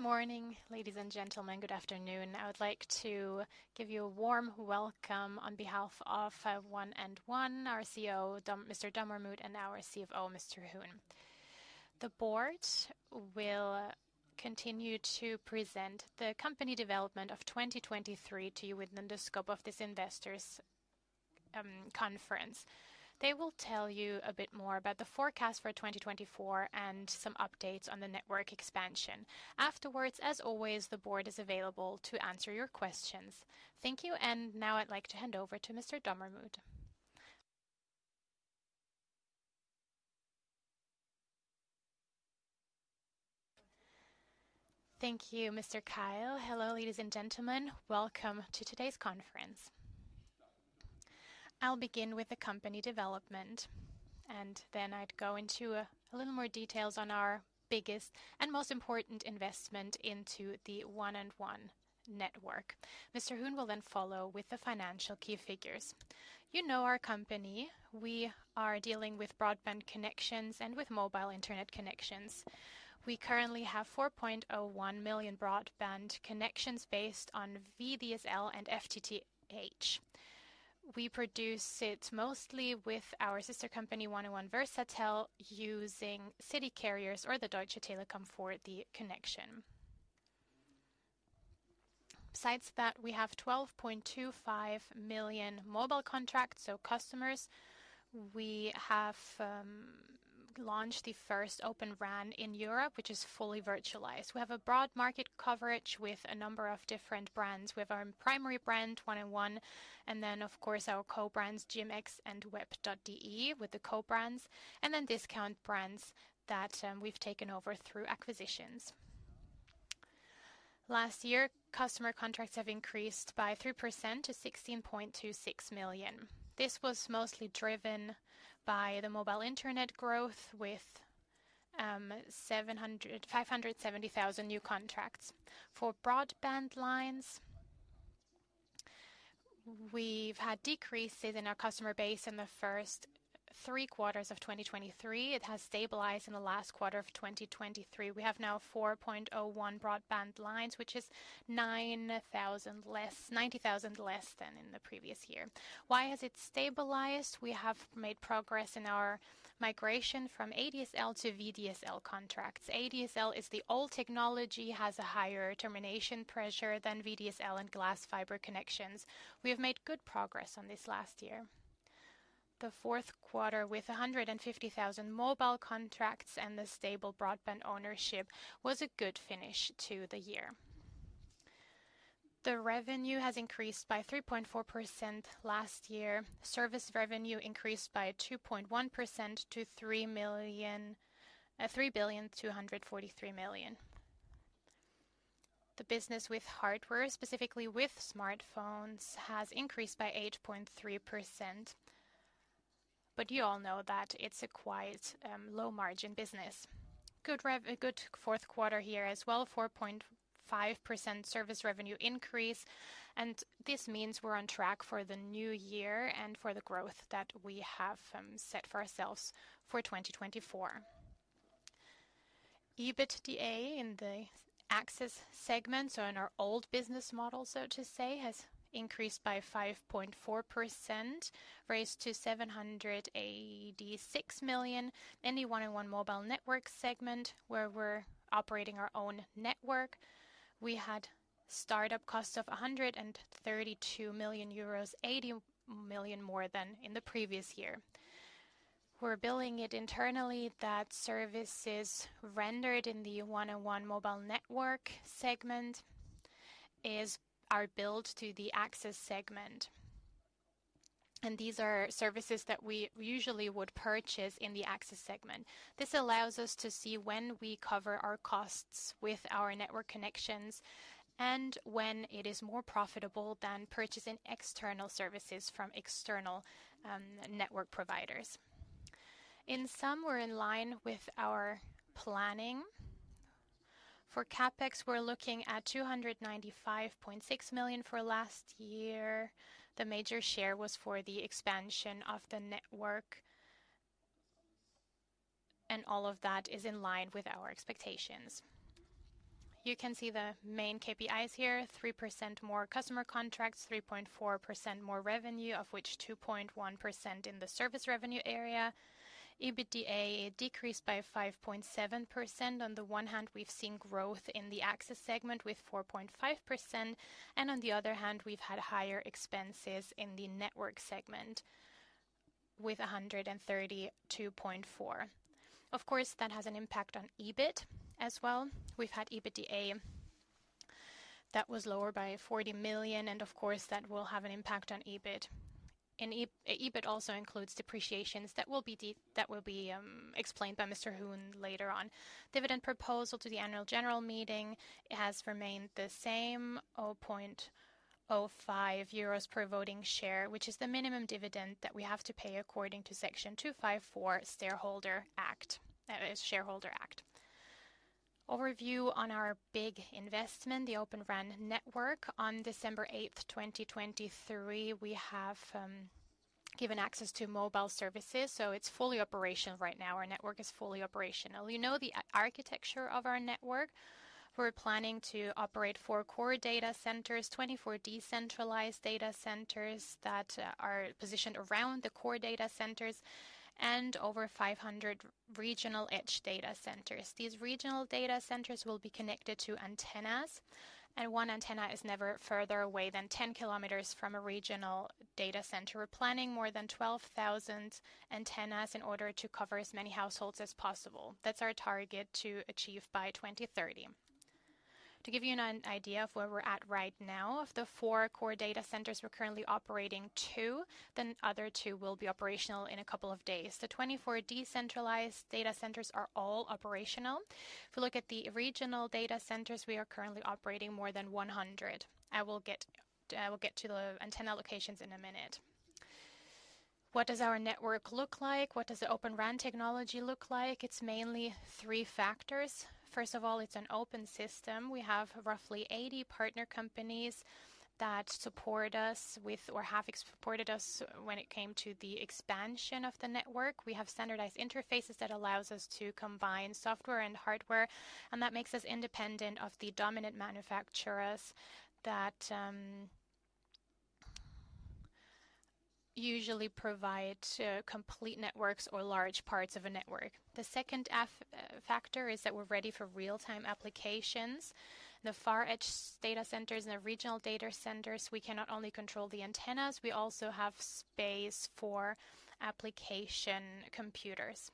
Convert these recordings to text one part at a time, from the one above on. Good morning, ladies and gentlemen, good afternoon. I would like to give you a warm welcome on behalf of 1&1, our CEO Mr. Dommermuth, and our CFO Mr. Huhn. The board will continue to present the company development of 2023 to you within the scope of this investors' conference. They will tell you a bit more about the forecast for 2024 and some updates on the network expansion. Afterwards, as always, the board is available to answer your questions. Thank you, and now I'd like to hand over to Mr. Dommermuth. Thank you, Mr. Keil. Hello, ladies and gentlemen. Welcome to today's conference. I'll begin with the company development, and then I'd go into a little more details on our biggest and most important investment into the 1&1 network. Mr. Huhn will then follow with the financial key figures. You know our company. We are dealing with broadband connections and with mobile internet connections. We currently have 4.01 million broadband connections based on VDSL and FTTH. We produce it mostly with our sister company 1&1 Versatel, using city carriers or the Deutsche Telekom for the connection. Besides that, we have 12.25 million mobile contracts, so customers. We have launched the first Open RAN in Europe, which is fully virtualized. We have a broad market coverage with a number of different brands. We have our primary brand, 1&1, and then, of course, our co-brands, GMX and WEB.DE, with the co-brands, and then discount brands that we've taken over through acquisitions. Last year, customer contracts have increased by 3% to 16.26 million. This was mostly driven by the mobile internet growth with 570,000 new contracts. For broadband lines, we've had decreases in our customer base in the first three quarters of 2023. It has stabilized in the last quarter of 2023. We have now 4.01 broadband lines, which is 90,000 less than in the previous year. Why has it stabilized? We have made progress in our migration from ADSL to VDSL contracts. ADSL is the old technology, has a higher termination pressure than VDSL and glass fiber connections. We have made good progress on this last year. The fourth quarter, with 150,000 mobile contracts and the stable broadband ownership, was a good finish to the year. The revenue has increased by 3.4% last year. Service revenue increased by 2.1% to 3,243 million. The business with hardware, specifically with smartphones, has increased by 8.3%. But you all know that it's a quite low-margin business. Good fourth quarter here as well, 4.5% service revenue increase. This means we're on track for the new year and for the growth that we have set for ourselves for 2024. EBITDA in the access segment, so in our old business model, so to say, has increased by 5.4%, raised to 786 million. In the 1&1 mobile network segment, where we're operating our own network, we had startup cost of 132 million euros, 80 million more than in the previous year. We're billing it internally. The services rendered in the 1&1 mobile network segment are billed to the access segment. And these are services that we usually would purchase in the access segment. This allows us to see when we cover our costs with our network connections and when it is more profitable than purchasing external services from external network providers. In sum, we're in line with our planning. For CapEx, we're looking at 295.6 million for last year. The major share was for the expansion of the network. All of that is in line with our expectations. You can see the main KPIs here: 3% more customer contracts, 3.4% more revenue, of which 2.1% in the service revenue area. EBITDA decreased by 5.7%. On the one hand, we've seen growth in the access segment with 4.5%. On the other hand, we've had higher expenses in the network segment with 132.4. Of course, that has an impact on EBIT as well. We've had EBITDA that was lower by 40 million. Of course, that will have an impact on EBIT. EBIT also includes depreciations that will be explained by Mr. Huhn later on. Dividend proposal to the annual general meeting has remained the same, 0.05 euros per voting share, which is the minimum dividend that we have to pay according to Section 254 Shareholder Act. Overview on our big investment, the Open RAN network. On December 8th, 2023, we have given access to mobile services. So it's fully operational right now. Our network is fully operational. You know the architecture of our network. We're planning to operate 4 core data centers, 24 decentralized data centers that are positioned around the core data centers, and over 500 regional edge data centers. These regional data centers will be connected to antennas. One antenna is never further away than 10 km from a regional data center. We're planning more than 12,000 antennas in order to cover as many households as possible. That's our target to achieve by 2030. To give you an idea of where we're at right now, of the 4 core data centers, we're currently operating 2. The other 2 will be operational in a couple of days. The 24 decentralized data centers are all operational. If we look at the regional data centers, we are currently operating more than 100. I will get to the antenna locations in a minute. What does our network look like? What does the Open RAN technology look like? It's mainly three factors. First of all, it's an open system. We have roughly 80 partner companies that support us with or have supported us when it came to the expansion of the network. We have standardized interfaces that allow us to combine software and hardware. And that makes us independent of the dominant manufacturers that usually provide complete networks or large parts of a network. The second factor is that we're ready for real-time applications. In the far edge data centers and the regional data centers, we can not only control the antennas, we also have space for application computers.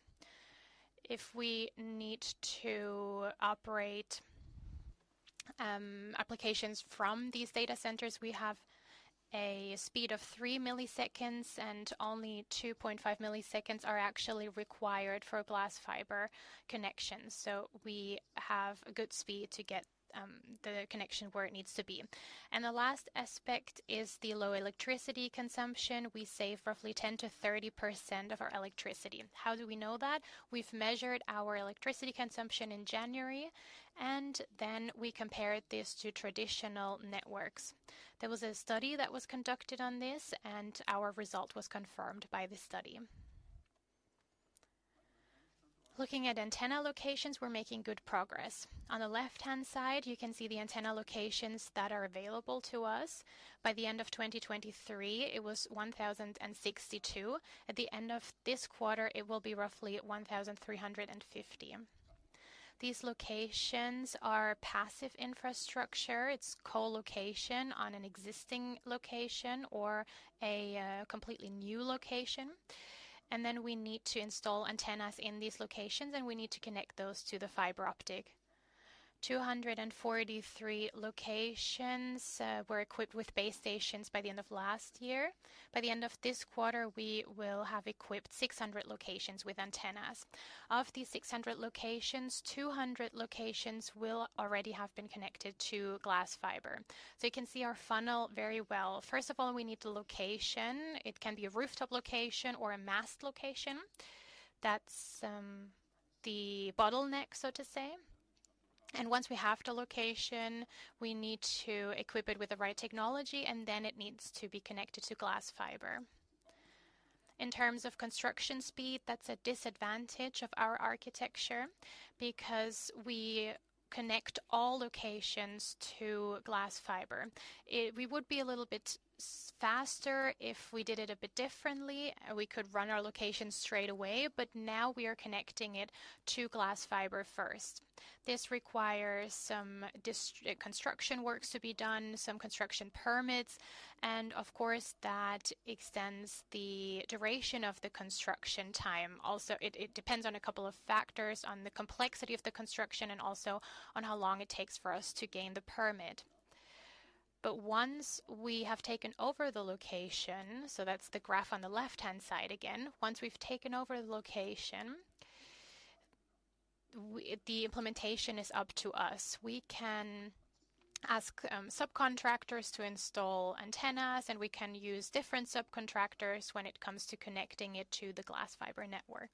If we need to operate applications from these data centers, we have a speed of 3 milliseconds, and only 2.5 milliseconds are actually required for glass fiber connections. So we have a good speed to get the connection where it needs to be. The last aspect is the low electricity consumption. We save roughly 10%-30% of our electricity. How do we know that? We've measured our electricity consumption in January, and then we compared this to traditional networks. There was a study that was conducted on this, and our result was confirmed by the study. Looking at antenna locations, we're making good progress. On the left-hand side, you can see the antenna locations that are available to us. By the end of 2023, it was 1,062. At the end of this quarter, it will be roughly 1,350. These locations are passive infrastructure. It's co-location on an existing location or a completely new location. Then we need to install antennas in these locations, and we need to connect those to the fiber optic. 243 locations were equipped with base stations by the end of last year. By the end of this quarter, we will have equipped 600 locations with antennas. Of these 600 locations, 200 locations will already have been connected to glass fiber. You can see our funnel very well. First of all, we need the location. It can be a rooftop location or a mast location. That's the bottleneck, so to say. Once we have the location, we need to equip it with the right technology, and then it needs to be connected to glass fiber. In terms of construction speed, that's a disadvantage of our architecture because we connect all locations to glass fiber. We would be a little bit faster if we did it a bit differently. We could run our location straight away. But now we are connecting it to glass fiber first. This requires some construction works to be done, some construction permits. And of course, that extends the duration of the construction time. Also, it depends on a couple of factors, on the complexity of the construction, and also on how long it takes for us to gain the permit. But once we have taken over the location, so that's the graph on the left-hand side again. Once we've taken over the location, the implementation is up to us. We can ask subcontractors to install antennas, and we can use different subcontractors when it comes to connecting it to the glass fiber network.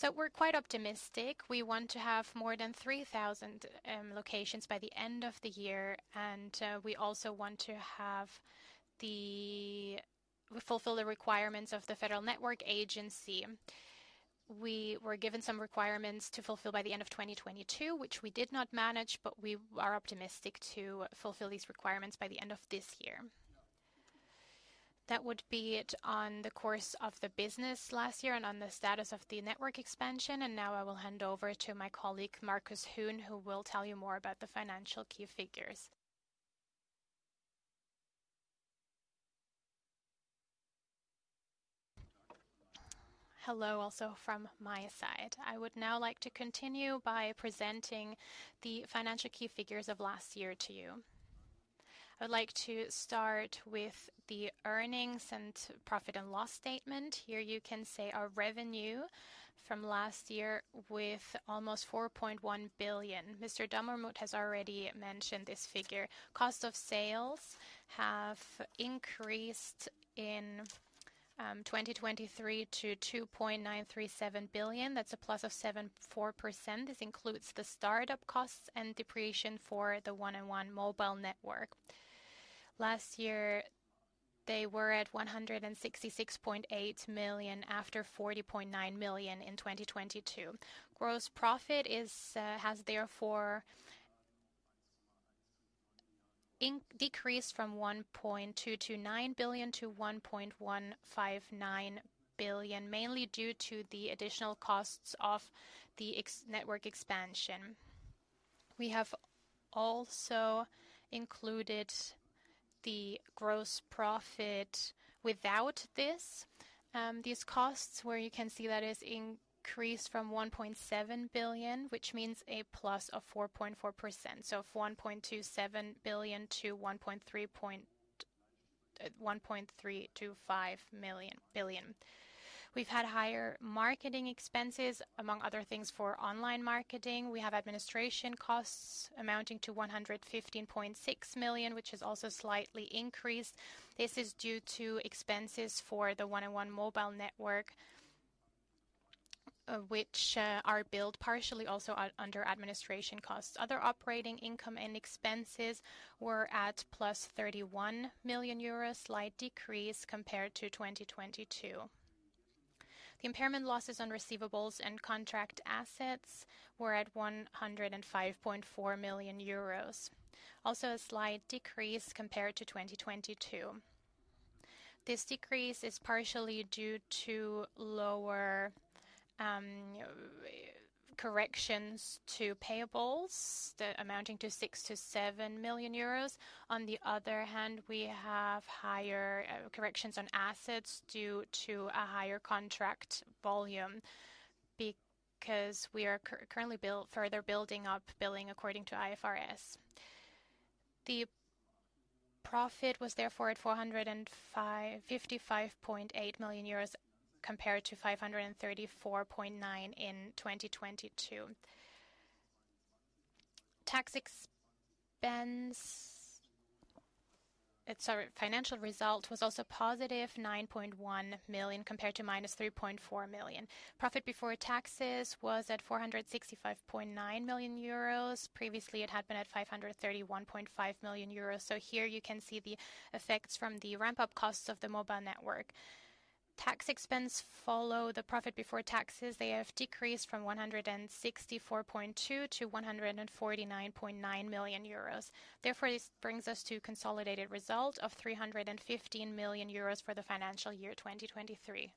So we're quite optimistic. We want to have more than 3,000 locations by the end of the year. We also want to fulfill the requirements of the Federal Network Agency. We were given some requirements to fulfill by the end of 2022, which we did not manage. We are optimistic to fulfill these requirements by the end of this year. That would be it on the course of the business last year and on the status of the network expansion. Now I will hand over to my colleague Markus Huhn, who will tell you more about the financial key figures. Hello, also from my side. I would now like to continue by presenting the financial key figures of last year to you. I would like to start with the earnings and profit and loss statement. Here you can see our revenue from last year with almost 4.1 billion. Mr. Dommermuth has already mentioned this figure. Cost of sales have increased in 2023 to 2.937 billion. That's a plus of 74%. This includes the startup costs and depreciation for the 1&1 mobile network. Last year, they were at 166.8 million after 40.9 million in 2022. Gross profit has, therefore, decreased from 1.229 billion to 1.159 billion, mainly due to the additional costs of the network expansion. We have also included the gross profit without these costs, where you can see that it's increased from 1.7 billion, which means a plus of 4.4%. So of 1.27 billion to 1.325 billion. We've had higher marketing expenses, among other things, for online marketing. We have administration costs amounting to 115.6 million, which is also slightly increased. This is due to expenses for the 1&1 mobile network, which are billed partially also under administration costs. Other operating income and expenses were at +31 million euros, a slight decrease compared to 2022. The impairment losses on receivables and contract assets were at 105.4 million euros, also a slight decrease compared to 2022. This decrease is partially due to lower corrections to payables, amounting to 6 million-7 million euros. On the other hand, we have higher corrections on assets due to a higher contract volume because we are currently further building up billing according to IFRS. The profit was, therefore, at 55.8 million euros, compared to 534.9 million in 2022. Tax expense sorry, financial result was also positive, 9.1 million compared to -3.4 million. Profit before taxes was at 465.9 million euros. Previously, it had been at 531.5 million euros. So here you can see the effects from the ramp-up costs of the mobile network. Tax expense follow the profit before taxes. They have decreased from 164.2 million to 149.9 million euros. Therefore, this brings us to a consolidated result of 315 million euros for the financial year 2023.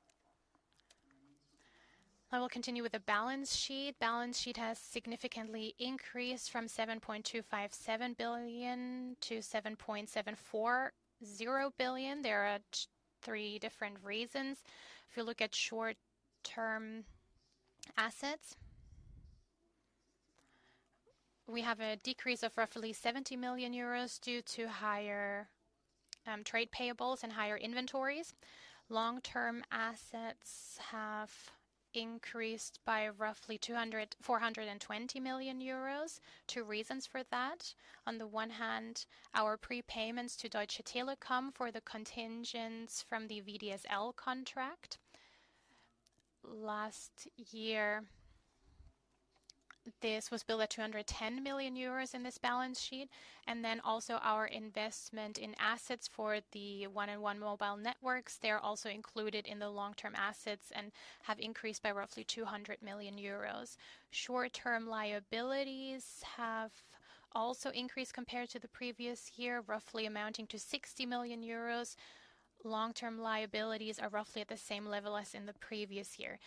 I will continue with the balance sheet. Balance sheet has significantly increased from 7.257 billion to 7.740 billion. There are three different reasons. If you look at short-term assets, we have a decrease of roughly 70 million euros due to higher trade payables and higher inventories. Long-term assets have increased by roughly 420 million euros. Two reasons for that. On the one hand, our prepayments to Deutsche Telekom for the contingents from the VDSL contract last year, this was billed at 210 million euros in this balance sheet. And then also our investment in assets for the 1&1 mobile networks. They are also included in the long-term assets and have increased by roughly 200 million euros. Short-term liabilities have also increased compared to the previous year, roughly amounting to 60 million euros. Long-term liabilities are roughly at the same level as in the previous year.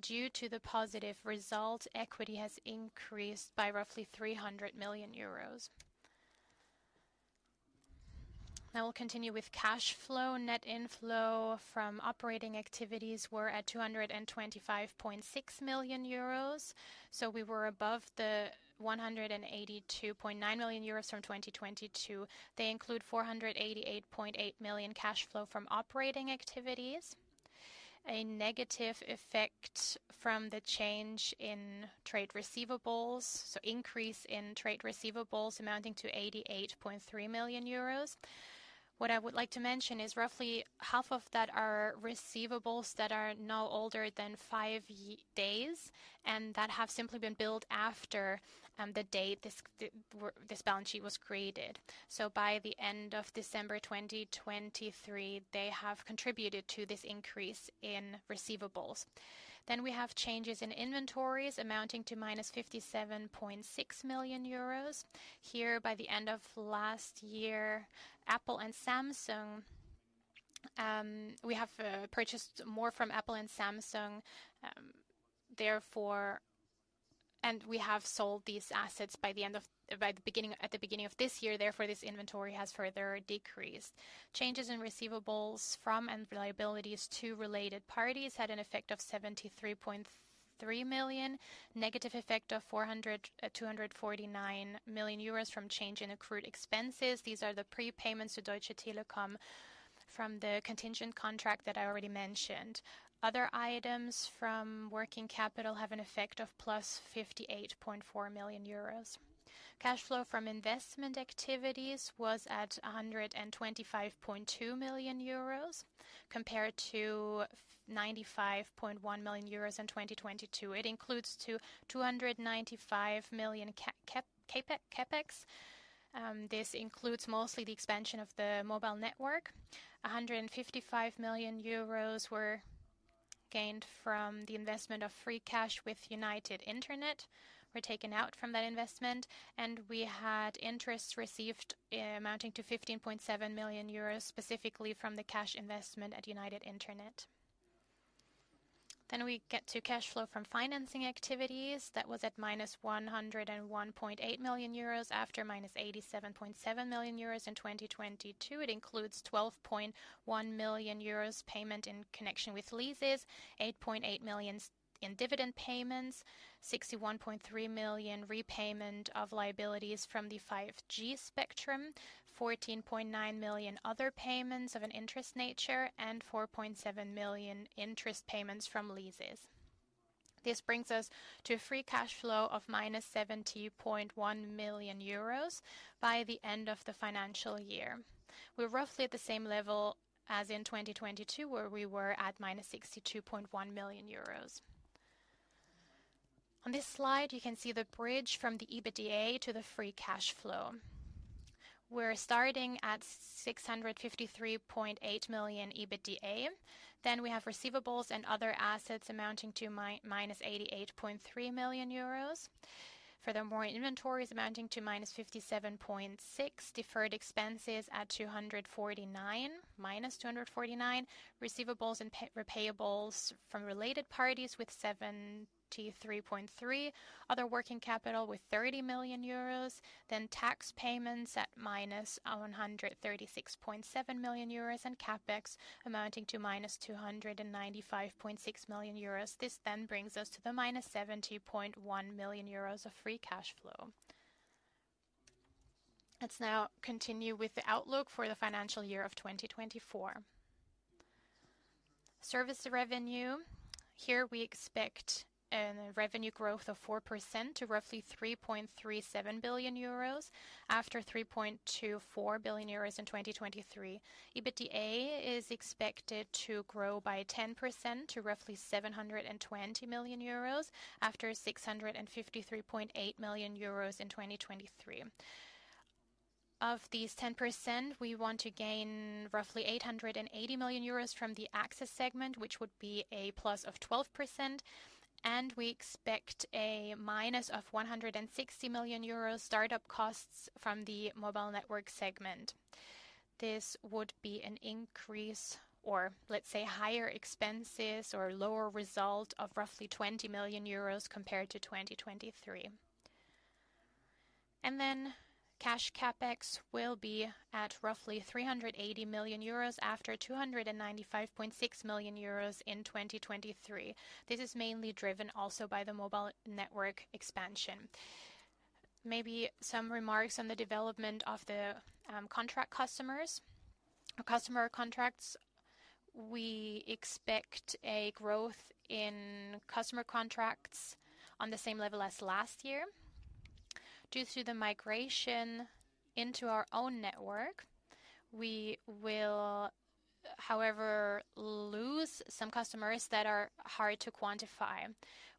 Due to the positive result, equity has increased by roughly 300 million euros. Now we'll continue with cash flow. Net inflow from operating activities were at 225.6 million euros. So we were above the 182.9 million euros from 2022. They include 488.8 million cash flow from operating activities, a negative effect from the change in trade receivables, so increase in trade receivables amounting to 88.3 million euros. What I would like to mention is roughly half of that are receivables that are no older than five days, and that have simply been billed after the date this balance sheet was created. So by the end of December 2023, they have contributed to this increase in receivables. Then we have changes in inventories amounting to -57.6 million euros. Here, by the end of last year, Apple and Samsung we have purchased more from Apple and Samsung, therefore and we have sold these assets by the beginning at the beginning of this year. Therefore, this inventory has further decreased. Changes in receivables from and liabilities to related parties had an effect of 73.3 million, negative effect of -249 million euros from change in accrued expenses. These are the prepayments to Deutsche Telekom from the contingent contract that I already mentioned. Other items from working capital have an effect of +58.4 million euros. Cash flow from investment activities was at 125.2 million euros, compared to 95.1 million euros in 2022. It includes 295 million CapEx. This includes mostly the expansion of the mobile network. 155 million euros were gained from the investment of free cash with United Internet. We're taken out from that investment. And we had interest received amounting to 15.7 million euros, specifically from the cash investment at United Internet. Then we get to cash flow from financing activities. That was at -101.8 million euros, after -87.7 million euros in 2022. It includes 12.1 million euros payment in connection with leases, 8.8 million in dividend payments, 61.3 million repayment of liabilities from the 5G spectrum, 14.9 million other payments of an interest nature, and 4.7 million interest payments from leases. This brings us to a free cash flow of -70.1 million euros by the end of the financial year. We're roughly at the same level as in 2022, where we were at -62.1 million euros. On this slide, you can see the bridge from the EBITDA to the free cash flow. We're starting at 653.8 million EBITDA. Then we have receivables and other assets amounting to -88.3 million euros. Furthermore, inventories amounting to -57.6 million, deferred expenses at -249 million, receivables and repayables from related parties with 73.3 million, other working capital with 30 million euros. Then tax payments at -136.7 million euros, and CapEx amounting to -295.6 million euros. This then brings us to the -70.1 million euros of free cash flow. Let's now continue with the outlook for the financial year of 2024. Service revenue. Here, we expect a revenue growth of 4% to roughly 3.37 billion euros, after 3.24 billion euros in 2023. EBITDA is expected to grow by 10% to roughly 720 million euros, after 653.8 million euros in 2023. Of these 10%, we want to gain roughly 880 million euros from the access segment, which would be a plus of 12%. We expect a minus of 160 million euros startup costs from the mobile network segment. This would be an increase or, let's say, higher expenses or lower result of roughly 20 million euros, compared to 2023. Cash CapEx will be at roughly 380 million euros, after 295.6 million euros in 2023. This is mainly driven also by the mobile network expansion. Maybe some remarks on the development of the contract customers or customer contracts. We expect a growth in customer contracts on the same level as last year. Due to the migration into our own network, we will, however, lose some customers that are hard to quantify.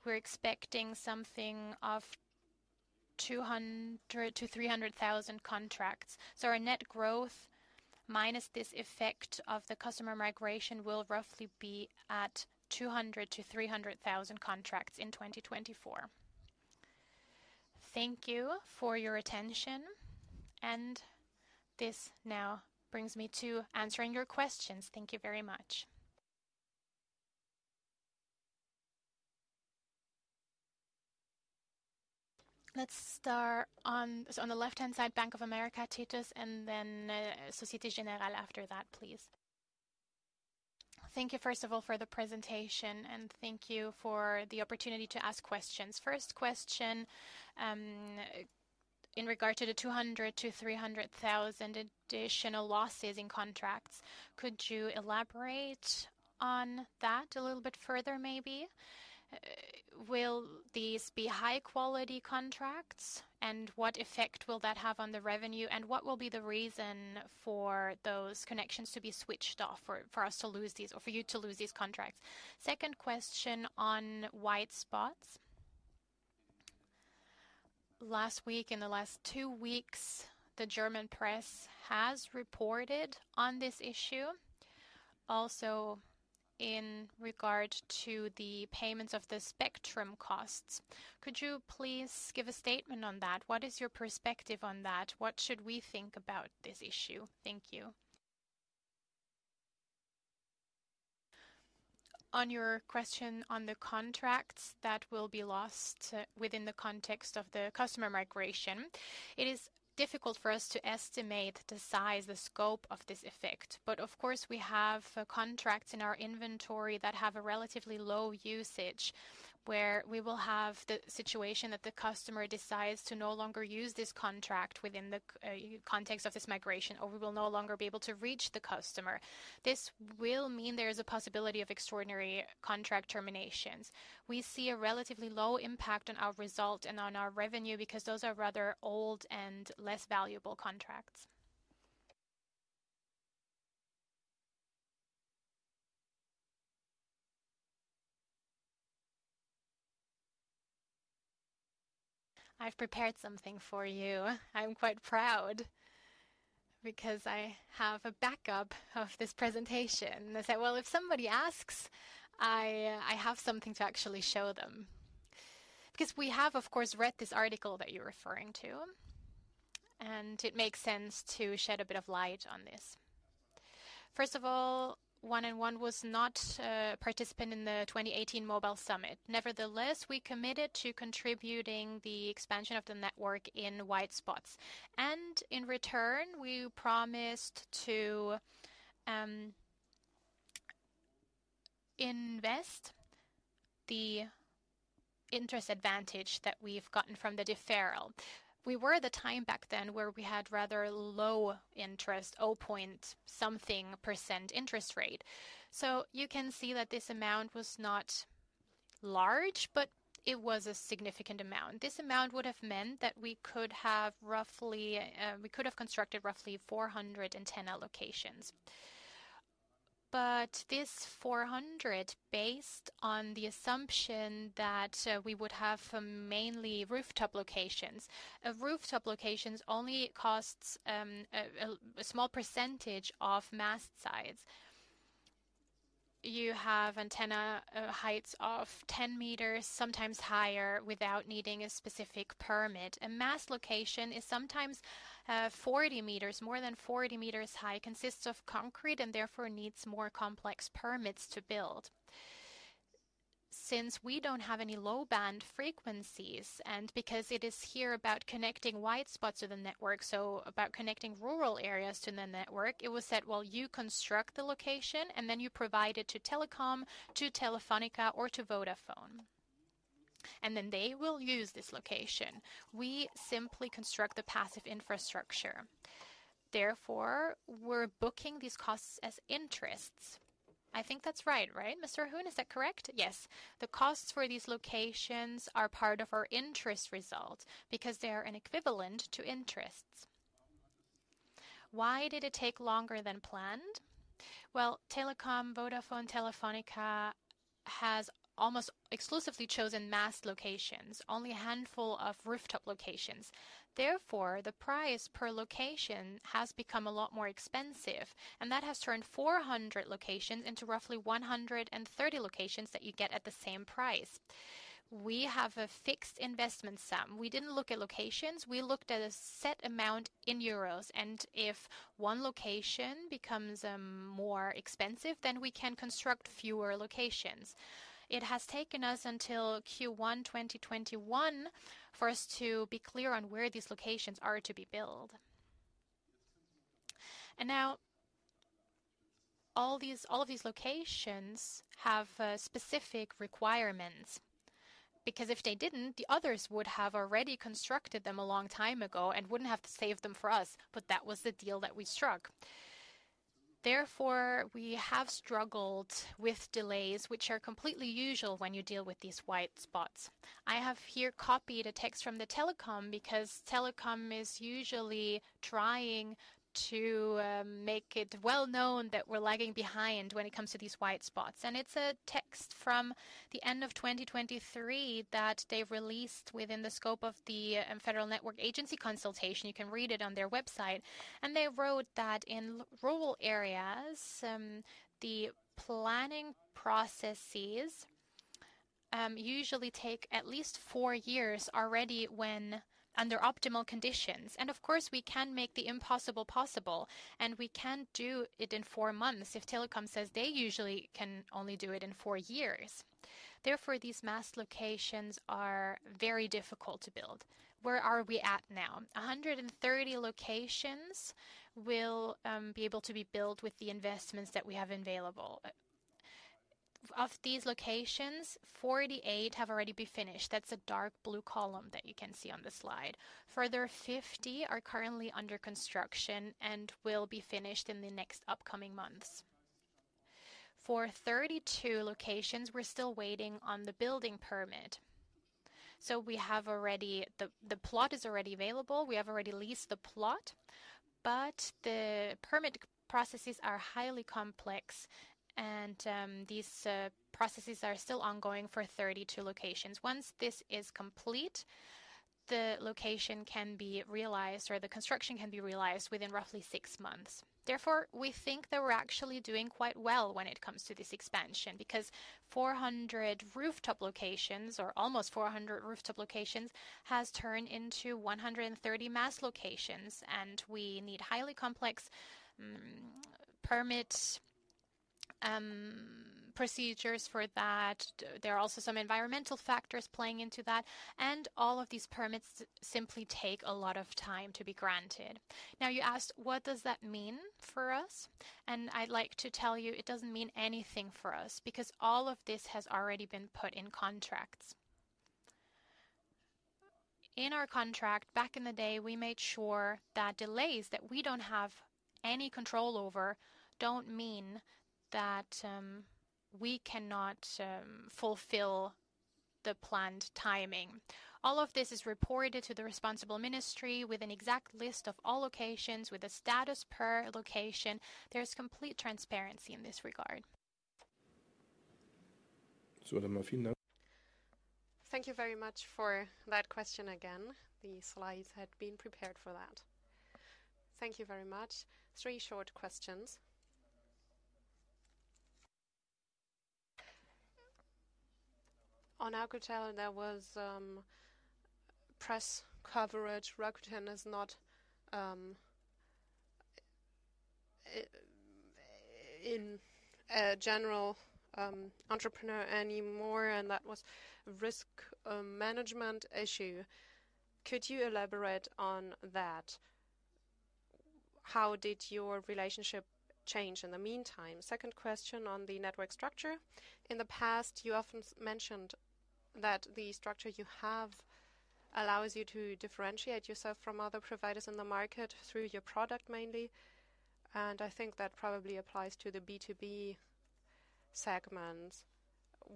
We're expecting something of 200-300 thousand contracts. So our net growth minus this effect of the customer migration will roughly be at 200,000-300,000 contracts in 2024. Thank you for your attention. And this now brings me to answering your questions. Thank you very much. Let's start on the left-hand side, Bank of America, Titus, and then Société Générale after that, please. Thank you, first of all, for the presentation. And thank you for the opportunity to ask questions. First question, in regard to the 200,000-300,000 additional losses in contracts, could you elaborate on that a little bit further, maybe? Will these be high-quality contracts? And what effect will that have on the revenue? And what will be the reason for those connections to be switched off for us to lose these or for you to lose these contracts? Second question on white spots. Last week, in the last two weeks, the German press has reported on this issue, also in regard to the payments of the spectrum costs. Could you please give a statement on that? What is your perspective on that? What should we think about this issue? Thank you. On your question on the contracts that will be lost within the context of the customer migration, it is difficult for us to estimate the size, the scope of this effect. But of course, we have contracts in our inventory that have a relatively low usage, where we will have the situation that the customer decides to no longer use this contract within the context of this migration, or we will no longer be able to reach the customer. This will mean there is a possibility of extraordinary contract terminations. We see a relatively low impact on our result and on our revenue because those are rather old and less valuable contracts. I've prepared something for you. I'm quite proud because I have a backup of this presentation. I said, "Well, if somebody asks, I have something to actually show them." Because we have, of course, read this article that you're referring to. It makes sense to shed a bit of light on this. First of all, 1&1 was not a participant in the 2018 Mobile Summit. Nevertheless, we committed to contributing the expansion of the network in white spots. In return, we promised to invest the interest advantage that we've gotten from the deferral. We were at a time back then where we had rather low interest, 0.something% interest rate. You can see that this amount was not large, but it was a significant amount. This amount would have meant that we could have roughly constructed roughly 410 allocations. But this 400, based on the assumption that we would have mainly rooftop locations, rooftop locations only cost a small percentage of mast sites. You have antenna heights of 10 meters, sometimes higher, without needing a specific permit. A mast location is sometimes 40 meters, more than 40 meters high, consists of concrete and therefore needs more complex permits to build. Since we don't have any low-band frequencies and because it is here about connecting white spots to the network, so about connecting rural areas to the network, it was said, "Well, you construct the location, and then you provide it to Telekom, to Telefónica, or to Vodafone. And then they will use this location. We simply construct the passive infrastructure. Therefore, we're booking these costs as interests." I think that's right, right? Mr. Huhn, is that correct? Yes. The costs for these locations are part of our interest result because they are an equivalent to interests. Why did it take longer than planned? Well, Telekom, Vodafone, Telefónica has almost exclusively chosen mast locations, only a handful of rooftop locations. Therefore, the price per location has become a lot more expensive. And that has turned 400 locations into roughly 130 locations that you get at the same price. We have a fixed investment sum. We didn't look at locations. We looked at a set amount in euros. And if one location becomes more expensive, then we can construct fewer locations. It has taken us until Q1 2021 for us to be clear on where these locations are to be billed. And now, all of these locations have specific requirements because if they didn't, the others would have already constructed them a long time ago and wouldn't have to save them for us. But that was the deal that we struck. Therefore, we have struggled with delays, which are completely usual when you deal with these white spots. I have here copied a text from Deutsche Telekom because Deutsche Telekom is usually trying to make it well known that we're lagging behind when it comes to these white spots. And it's a text from the end of 2023 that they released within the scope of the Federal Network Agency consultation. You can read it on their website. And they wrote that in rural areas, the planning processes usually take at least four years already when under optimal conditions. And of course, we can make the impossible possible. We can't do it in 4 months if Telekom says they usually can only do it in 4 years. Therefore, these mast locations are very difficult to build. Where are we at now? 130 locations will be able to be built with the investments that we have available. Of these locations, 48 have already been finished. That's a dark blue column that you can see on the slide. Further 50 are currently under construction and will be finished in the next upcoming months. For 32 locations, we're still waiting on the building permit. So we have already the plot is already available. We have already leased the plot. But the permit processes are highly complex. And these processes are still ongoing for 32 locations. Once this is complete, the location can be realized or the construction can be realized within roughly 6 months. Therefore, we think that we're actually doing quite well when it comes to this expansion because 400 rooftop locations or almost 400 rooftop locations has turned into 130 mast locations. We need highly complex permit procedures for that. There are also some environmental factors playing into that. All of these permits simply take a lot of time to be granted. Now, you asked, "What does that mean for us?" I'd like to tell you, it doesn't mean anything for us because all of this has already been put in contracts. In our contract, back in the day, we made sure that delays that we don't have any control over don't mean that we cannot fulfill the planned timing. All of this is reported to the responsible ministry with an exact list of all locations with a status per location. There is complete transparency in this regard. Thank you very much for that question again. The slides had been prepared for that. Thank you very much. Three short questions. On Rakuten, there was press coverage. Rakuten is not a general contractor anymore. And that was a risk management issue. Could you elaborate on that? How did your relationship change in the meantime? Second question on the network structure. In the past, you often mentioned that the structure you have allows you to differentiate yourself from other providers in the market through your product mainly. And I think that probably applies to the B2B segment.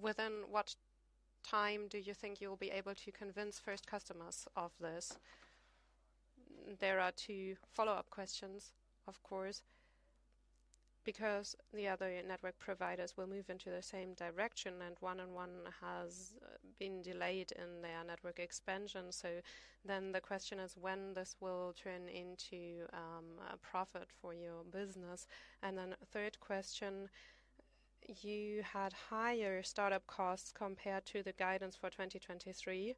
Within what time do you think you'll be able to convince first customers of this? There are two follow-up questions, of course, because the other network providers will move into the same direction. And 1&1 has been delayed in their network expansion. So then the question is when this will turn into profit for your business? And then third question, you had higher startup costs compared to the guidance for 2023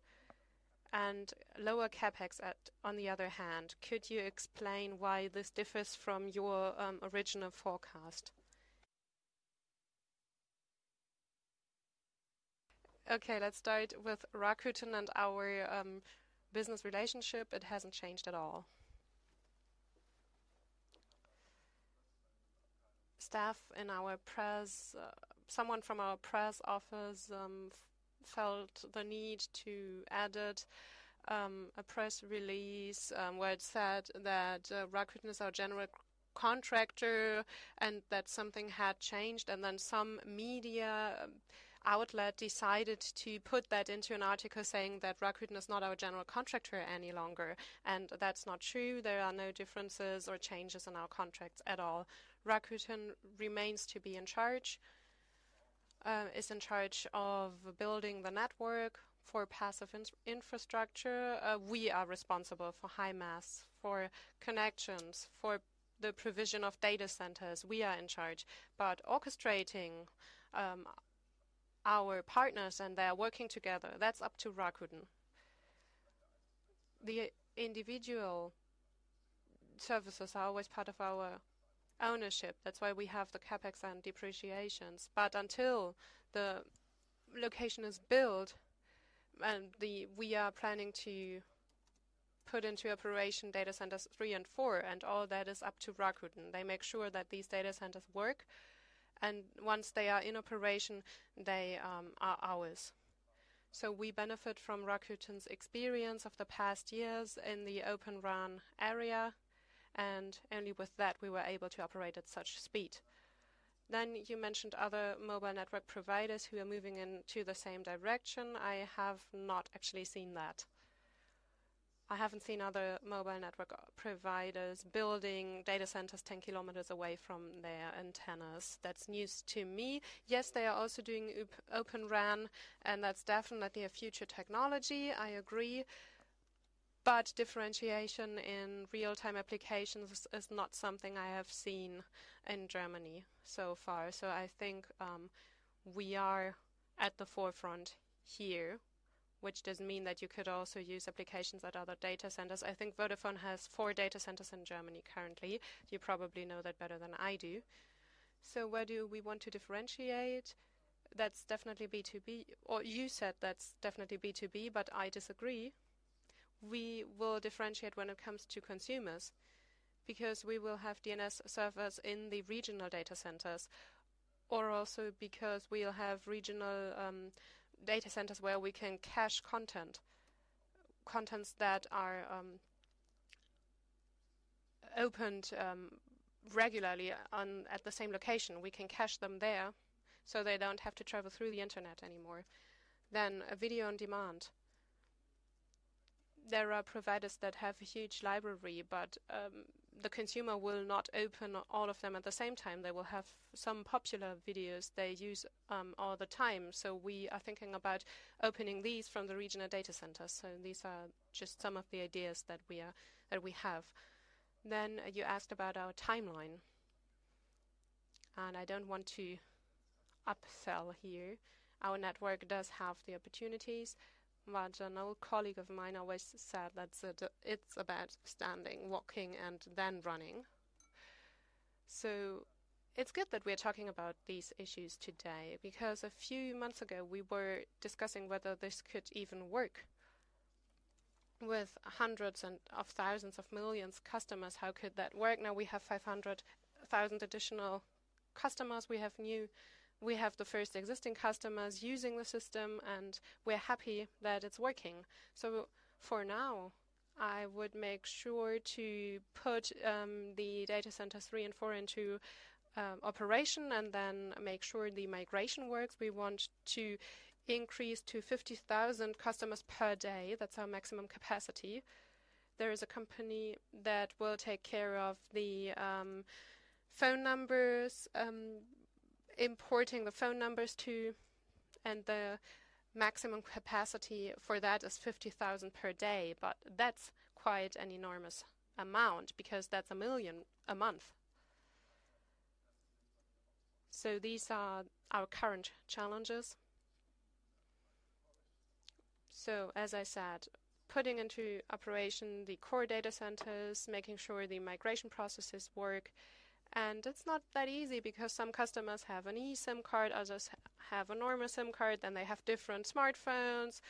and lower CapEx, on the other hand. Could you explain why this differs from your original forecast? Okay. Let's start with Rakuten and our business relationship. It hasn't changed at all. Someone from our press office felt the need to edit a press release where it said that Rakuten is our general contractor and that something had changed. And then some media outlet decided to put that into an article saying that Rakuten is not our general contractor any longer. And that's not true. There are no differences or changes in our contracts at all. Rakuten remains to be in charge, is in charge of building the network for passive infrastructure. We are responsible for high mast, for connections, for the provision of data centers. We are in charge. But orchestrating our partners and their working together, that's up to Rakuten. The individual services are always part of our ownership. That's why we have the CapEx and depreciations. But until the location is built and we are planning to put into operation data centers 3 and 4, and all that is up to Rakuten. They make sure that these data centers work. And once they are in operation, they are ours. So we benefit from Rakuten's experience of the past years in the Open RAN area. And only with that, we were able to operate at such speed. Then you mentioned other mobile network providers who are moving into the same direction. I have not actually seen that. I haven't seen other mobile network providers building data centers 10 kilometers away from their antennas. That's news to me. Yes, they are also doing Open RAN. And that's definitely a future technology. I agree. But differentiation in real-time applications is not something I have seen in Germany so far. So I think we are at the forefront here, which does mean that you could also use applications at other data centers. I think Vodafone has 4 data centers in Germany currently. You probably know that better than I do. So where do we want to differentiate? That's definitely B2B. Or you said that's definitely B2B, but I disagree. We will differentiate when it comes to consumers because we will have DNS servers in the regional data centers or also because we'll have regional data centers where we can cache content, contents that are opened regularly at the same location. We can cache them there so they don't have to travel through the internet anymore. Then video on demand. There are providers that have a huge library, but the consumer will not open all of them at the same time. They will have some popular videos they use all the time. So we are thinking about opening these from the regional data centers. So these are just some of the ideas that we have. Then you asked about our timeline. I don't want to upsell here. Our network does have the opportunities. But an old colleague of mine always said that it's about standing, walking, and then running. It's good that we are talking about these issues today because a few months ago, we were discussing whether this could even work with hundreds of thousands of millions customers. How could that work? Now, we have 500,000 additional customers. We have the first existing customers using the system. We're happy that it's working. For now, I would make sure to put the data centers three and four into operation and then make sure the migration works. We want to increase to 50,000 customers per day. That's our maximum capacity. There is a company that will take care of the phone numbers, importing the phone numbers too. The maximum capacity for that is 50,000 per day. But that's quite an enormous amount because that's 1 million a month. These are our current challenges. As I said, putting into operation the core data centers, making sure the migration processes work. It's not that easy because some customers have an eSIM card. Others have a normal SIM card. They have different smartphones.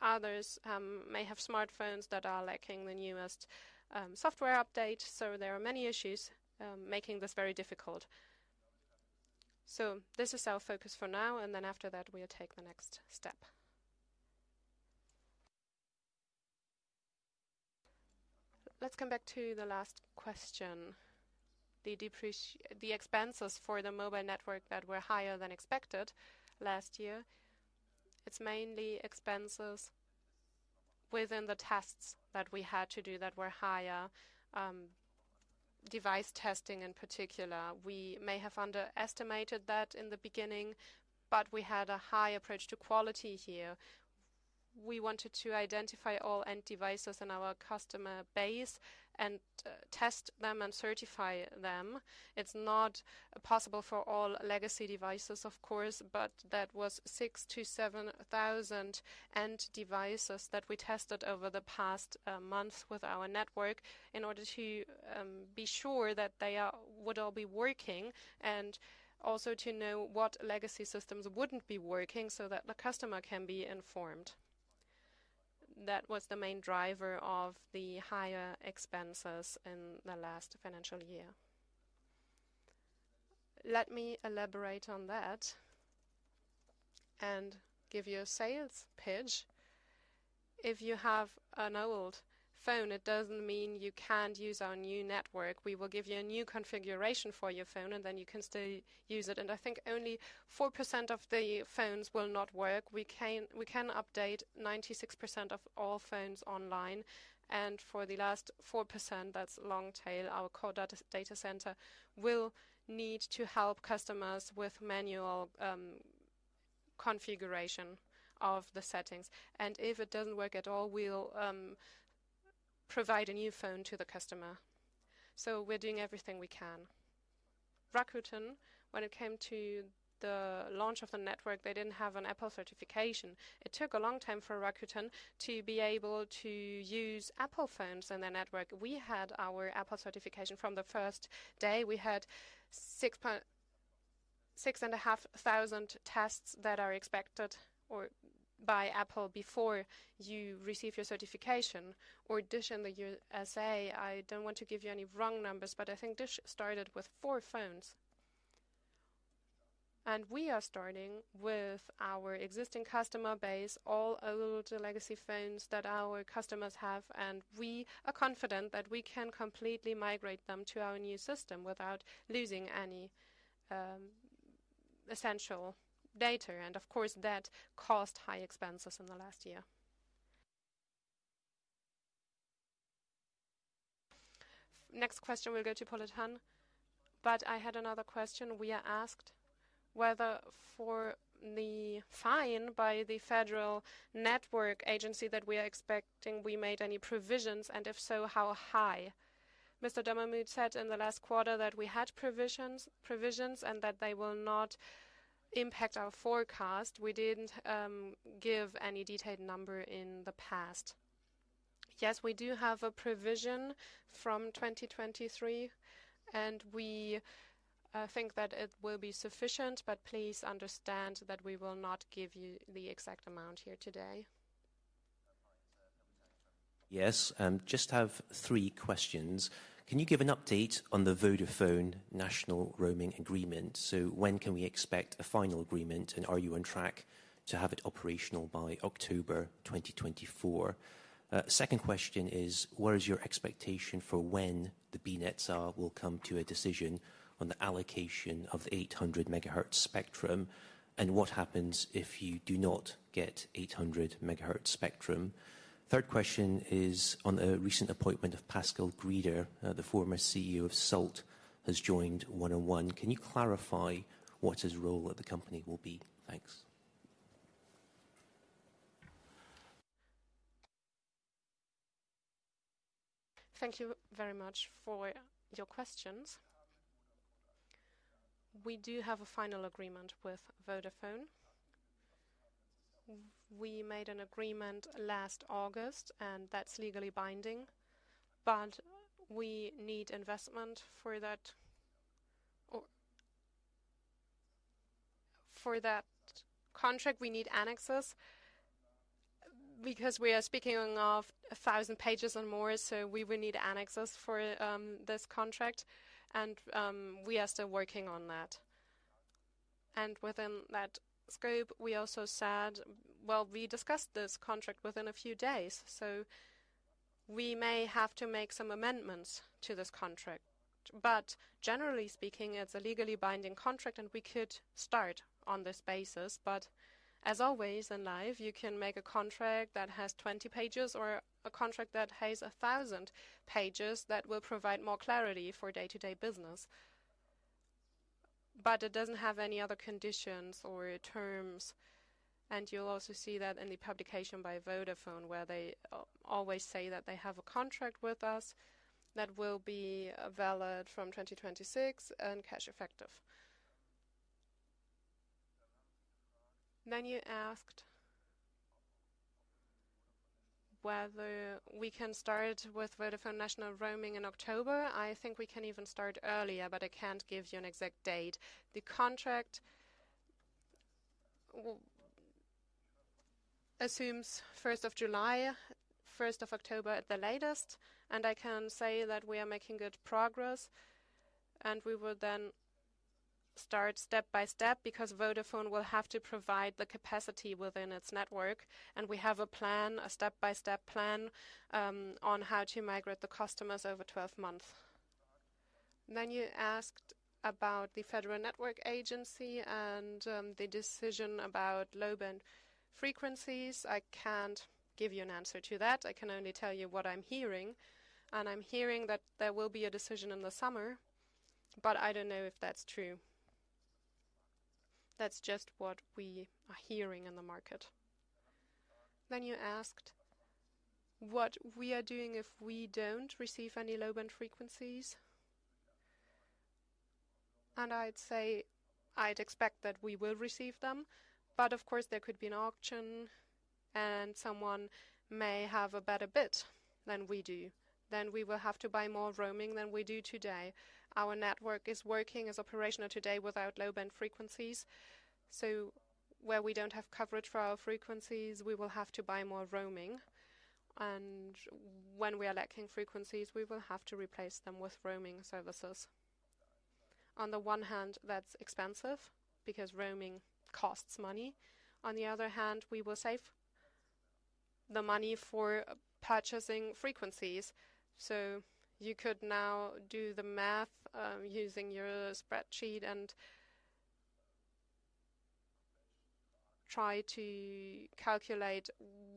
Others may have smartphones that are lacking the newest software update. There are many issues making this very difficult. This is our focus for now. Then after that, we'll take the next step. Let's come back to the last question, the expenses for the mobile network that were higher than expected last year. It's mainly expenses within the tests that we had to do that were higher, device testing in particular. We may have underestimated that in the beginning, but we had a high approach to quality here. We wanted to identify all end devices in our customer base and test them and certify them. It's not possible for all legacy devices, of course. But that was 6,000-7,000 end devices that we tested over the past month with our network in order to be sure that they would all be working and also to know what legacy systems wouldn't be working so that the customer can be informed. That was the main driver of the higher expenses in the last financial year. Let me elaborate on that and give you a sales pitch. If you have an old phone, it doesn't mean you can't use our new network. We will give you a new configuration for your phone, and then you can still use it. And I think only 4% of the phones will not work. We can update 96% of all phones online. And for the last 4%, that's long tail, our Core Data Center will need to help customers with manual configuration of the settings. If it doesn't work at all, we'll provide a new phone to the customer. We're doing everything we can. Rakuten, when it came to the launch of the network, they didn't have an Apple certification. It took a long time for Rakuten to be able to use Apple phones in their network. We had our Apple certification from the first day. We had 6,500 tests that are expected by Apple before you receive your certification. Or, DISH in the USA, I don't want to give you any wrong numbers, but I think DISH started with 4 phones. We are starting with our existing customer base, all old legacy phones that our customers have. We are confident that we can completely migrate them to our new system without losing any essential data. Of course, that cost high expenses in the last year. Next question, we'll go to Polo Tang. But I had another question. We are asked whether for the fine by the Federal Network Agency that we are expecting, we made any provisions. And if so, how high? Mr. Dommermuth said in the last quarter that we had provisions and that they will not impact our forecast. We didn't give any detailed number in the past. Yes, we do have a provision from 2023. And we think that it will be sufficient. But please understand that we will not give you the exact amount here today. Yes. Just have three questions. Can you give an update on the Vodafone national roaming agreement? So when can we expect a final agreement? And are you on track to have it operational by October 2024? Second question is, what is your expectation for when the BNetzA will come to a decision on the allocation of the 800-MHz spectrum and what happens if you do not get 800-MHz spectrum? Third question is, on a recent appointment of Pascal Grieder, the former CEO of Salt, has joined 1&1. Can you clarify what his role at the company will be? Thanks. Thank you very much for your questions. We do have a final agreement with Vodafone. We made an agreement last August, and that's legally binding. But we need investment for that contract. We need annexes because we are speaking of 1,000 pages and more. So we will need annexes for this contract. And we are still working on that. And within that scope, we also said, "Well, we discussed this contract within a few days. So we may have to make some amendments to this contract." But generally speaking, it's a legally binding contract. And we could start on this basis. But as always in life, you can make a contract that has 20 pages or a contract that has 1,000 pages that will provide more clarity for day-to-day business. But it doesn't have any other conditions or terms. You'll also see that in the publication by Vodafone where they always say that they have a contract with us that will be valid from 2026 and cash effective. You asked whether we can start with Vodafone National Roaming in October. I think we can even start earlier, but I can't give you an exact date. The contract assumes 1st of July, 1st of October at the latest. I can say that we are making good progress. We will then start step by step because Vodafone will have to provide the capacity within its network. We have a plan, a step-by-step plan on how to migrate the customers over 12 months. You asked about the Federal Network Agency and the decision about low-band frequencies. I can't give you an answer to that. I can only tell you what I'm hearing. I'm hearing that there will be a decision in the summer. I don't know if that's true. That's just what we are hearing in the market. You asked what we are doing if we don't receive any low-band frequencies. I'd say I'd expect that we will receive them. Of course, there could be an auction. Someone may have a better bid than we do. We will have to buy more roaming than we do today. Our network is working operationally today without low-band frequencies. Where we don't have coverage for our frequencies, we will have to buy more roaming. When we are lacking frequencies, we will have to replace them with roaming services. On the one hand, that's expensive because roaming costs money. On the other hand, we will save the money for purchasing frequencies. So you could now do the math using your spreadsheet and try to calculate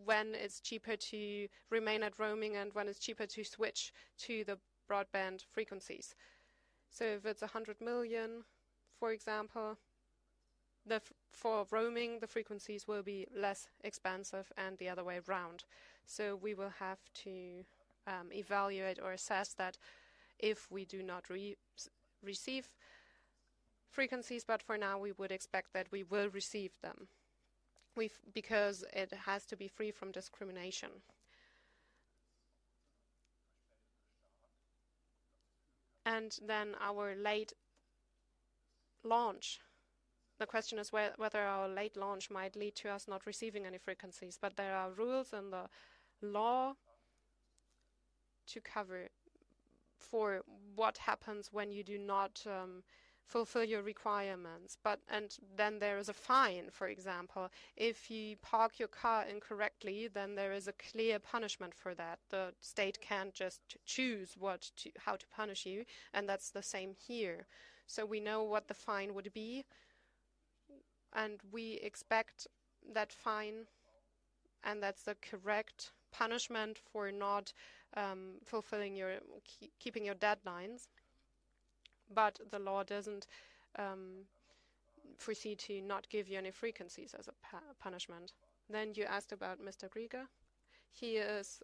when it's cheaper to remain at roaming and when it's cheaper to switch to the broadband frequencies. So if it's 100 million, for example, for roaming, the frequencies will be less expensive and the other way around. So we will have to evaluate or assess that if we do not receive frequencies. But for now, we would expect that we will receive them because it has to be free from discrimination. And then our late launch, the question is whether our late launch might lead to us not receiving any frequencies. But there are rules in the law for what happens when you do not fulfill your requirements. And then there is a fine, for example. If you park your car incorrectly, then there is a clear punishment for that. The state can't just choose how to punish you. That's the same here. We know what the fine would be. We expect that fine. That's the correct punishment for not keeping your deadlines. But the law doesn't foresee to not give you any frequencies as a punishment. Then you asked about Mr. Grieder. He is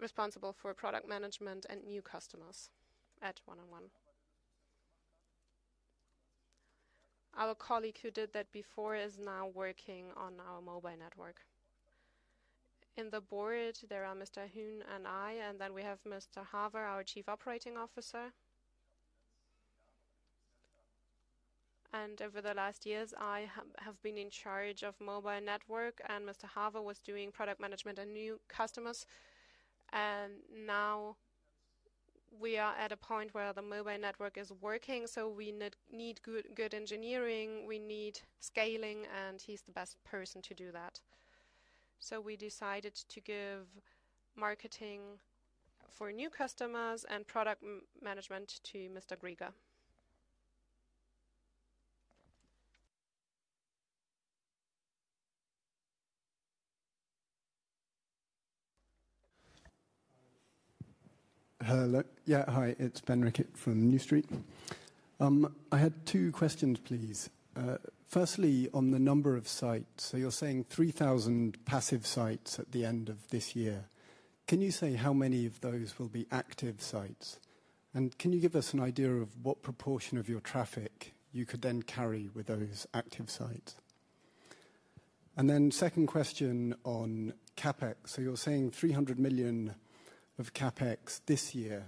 responsible for product management and new customers at 1&1. Our colleague who did that before is now working on our mobile network. In the board, there are Mr. Huhn and I. Then we have Mr. Harvard, our Chief Operating Officer. Over the last years, I have been in charge of mobile network. Mr. Harvard was doing product management and new customers. Now we are at a point where the mobile network is working. We need good engineering. We need scaling. He's the best person to do that. We decided to give marketing for new customers and product management to Mr. Grieder. Hello. Yeah. Hi. It's Ben Rickett from New Street. I had two questions, please. Firstly, on the number of sites so you're saying 3,000 passive sites at the end of this year. Can you say how many of those will be active sites? And can you give us an idea of what proportion of your traffic you could then carry with those active sites? And then second question on CapEx. So you're saying 300 million of CapEx this year.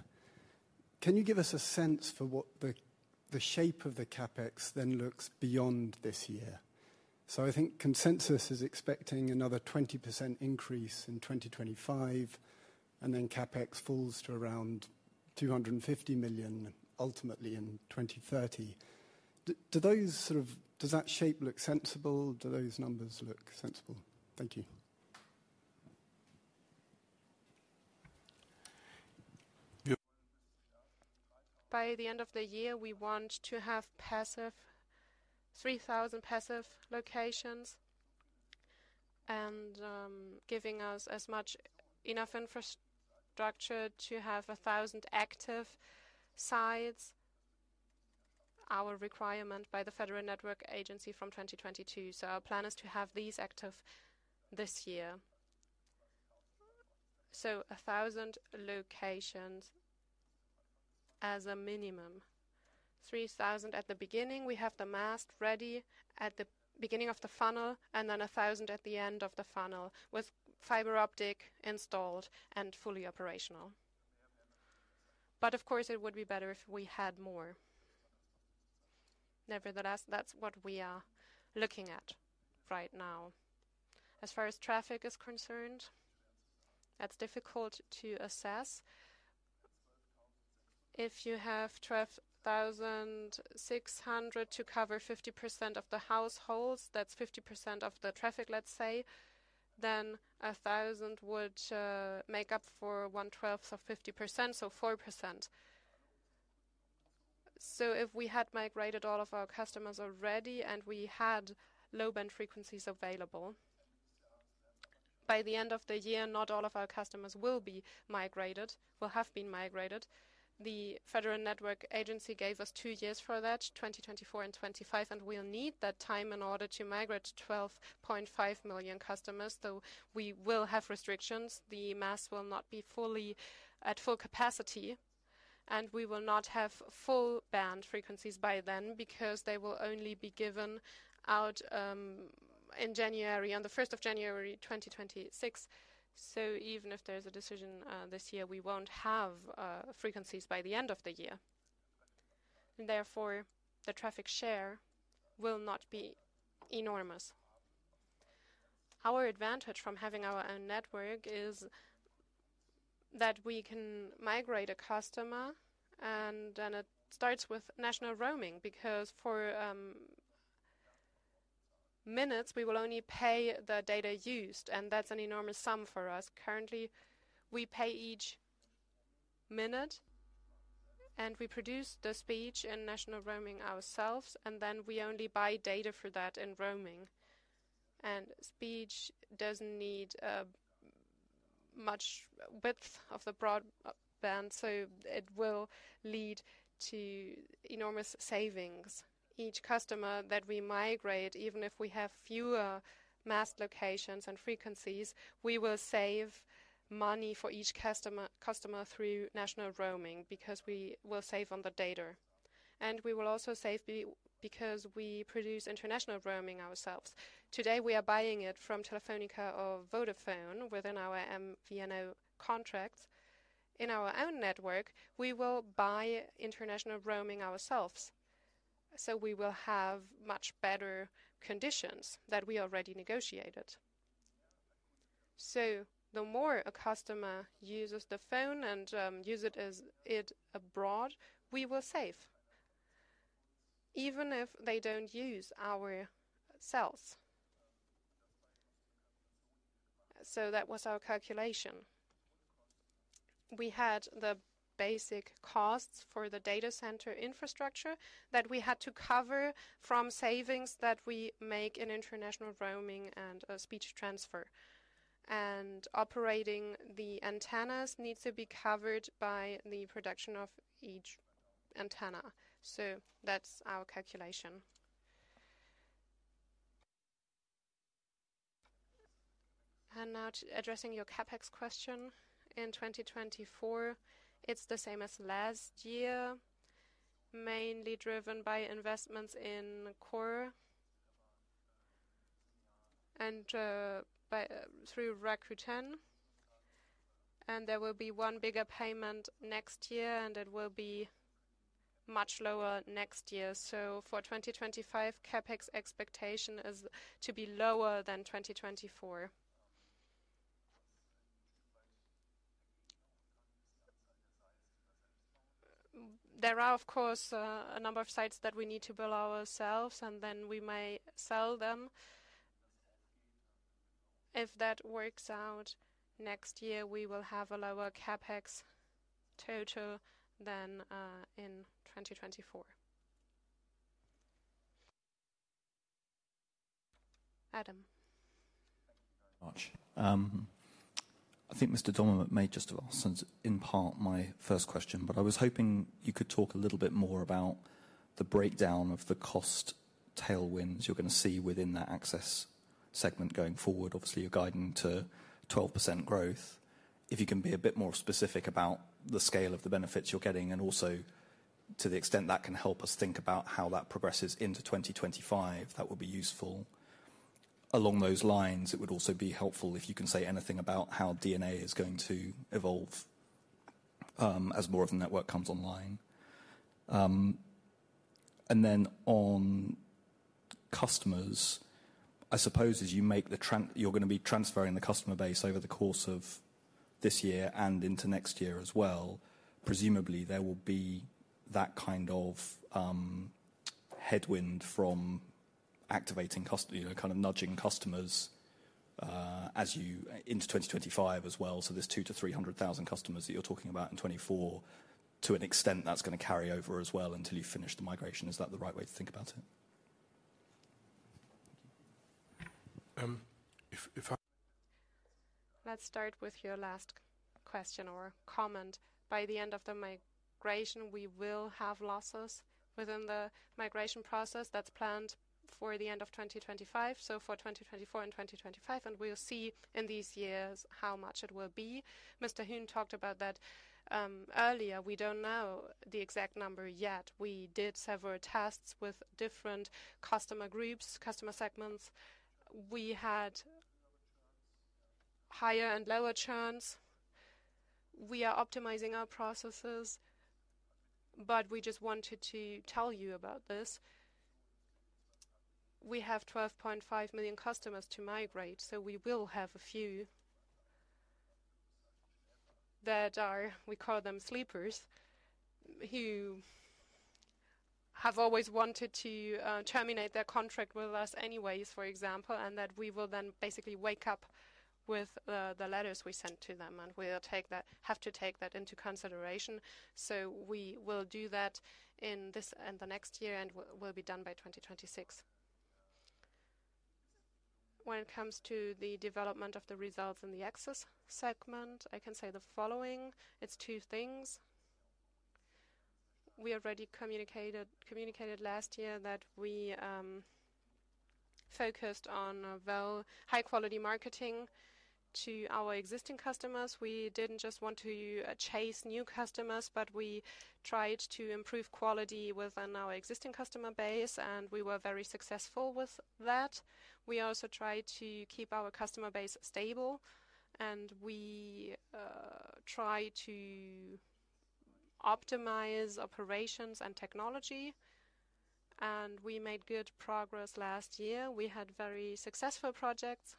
Can you give us a sense for what the shape of the CapEx then looks beyond this year? So I think consensus is expecting another 20% increase in 2025. And then CapEx falls to around 250 million ultimately in 2030. Does that shape look sensible? Do those numbers look sensible? Thank you. By the end of the year, we want to have 3,000 passive locations and giving us enough infrastructure to have 1,000 active sites, our requirement by the Federal Network Agency from 2022. So our plan is to have these active this year. So 1,000 locations as a minimum. 3,000 at the beginning. We have the mast ready at the beginning of the funnel. And then 1,000 at the end of the funnel with fiber optic installed and fully operational. But of course, it would be better if we had more. Nevertheless, that's what we are looking at right now. As far as traffic is concerned, that's difficult to assess. If you have 1,600 to cover 50% of the households, that's 50% of the traffic, let's say, then 1,000 would make up for 1/12 of 50%, so 4%. So if we had migrated all of our customers already and we had low-band frequencies available by the end of the year, not all of our customers will be migrated, will have been migrated. The Federal Network Agency gave us two years for that, 2024 and 2025. And we'll need that time in order to migrate 12.5 million customers. So we will have restrictions. The masts will not be at full capacity. And we will not have full-band frequencies by then because they will only be given out on the 1st of January, 2026. So even if there's a decision this year, we won't have frequencies by the end of the year. And therefore, the traffic share will not be enormous. Our advantage from having our own network is that we can migrate a customer. Then it starts with national roaming because for minutes, we will only pay the data used. That's an enormous sum for us. Currently, we pay each minute. We produce the speech in national roaming ourselves. Then we only buy data for that in roaming. Speech doesn't need much bandwidth. So it will lead to enormous savings. Each customer that we migrate, even if we have fewer mast locations and frequencies, we will save money for each customer through national roaming because we will save on the data. We will also save because we produce international roaming ourselves. Today, we are buying it from Telefónica or Vodafone within our MVNO contract. In our own network, we will buy international roaming ourselves. So we will have much better conditions that we already negotiated. The more a customer uses the phone and uses it abroad, we will save even if they don't use our cells. That was our calculation. We had the basic costs for the data center infrastructure that we had to cover from savings that we make in international roaming and speech transfer. Operating the antennas needs to be covered by the production of each antenna. That's our calculation. Now addressing your CapEx question, in 2024, it's the same as last year, mainly driven by investments in Core and through Rakuten. There will be one bigger payment next year. It will be much lower next year. For 2025, CapEx expectation is to be lower than 2024. There are, of course, a number of sites that we need to build ourselves. Then we may sell them. If that works out next year, we will have a lower CapEx total than in 2024. Adam. Thank you very much. I think Mr. Dommermuth anticipated in part my first question. But I was hoping you could talk a little bit more about the breakdown of the cost tailwinds you're going to see within that access segment going forward. Obviously, you're guiding to 12% growth. If you can be a bit more specific about the scale of the benefits you're getting and also to the extent that can help us think about how that progresses into 2025, that would be useful. Along those lines, it would also be helpful if you can say anything about how the RAN is going to evolve as more of the network comes online. Then on customers, I suppose as you make the you're going to be transferring the customer base over the course of this year and into next year as well, presumably, there will be that kind of headwind from activating kind of nudging customers into 2025 as well. There's 200,000-300,000 customers that you're talking about in 2024. To an extent, that's going to carry over as well until you finish the migration. Is that the right way to think about it? Let's start with your last question or comment. By the end of the migration, we will have losses within the migration process that's planned for the end of 2024 and 2025. We'll see in these years how much it will be. Mr. Huhn talked about that earlier. We don't know the exact number yet. We did several tests with different customer groups, customer segments. We had higher and lower churns. We are optimizing our processes. But we just wanted to tell you about this. We have 12.5 million customers to migrate. We will have a few that are, we call them, sleepers who have always wanted to terminate their contract with us anyways, for example, and that we will then basically wake up with the letters we sent to them. We'll have to take that into consideration. So we will do that in this and the next year. It will be done by 2026. When it comes to the development of the results in the access segment, I can say the following. It's two things. We already communicated last year that we focused on high-quality marketing to our existing customers. We didn't just want to chase new customers. We tried to improve quality within our existing customer base. We were very successful with that. We also tried to keep our customer base stable. We tried to optimize operations and technology. We made good progress last year. We had very successful projects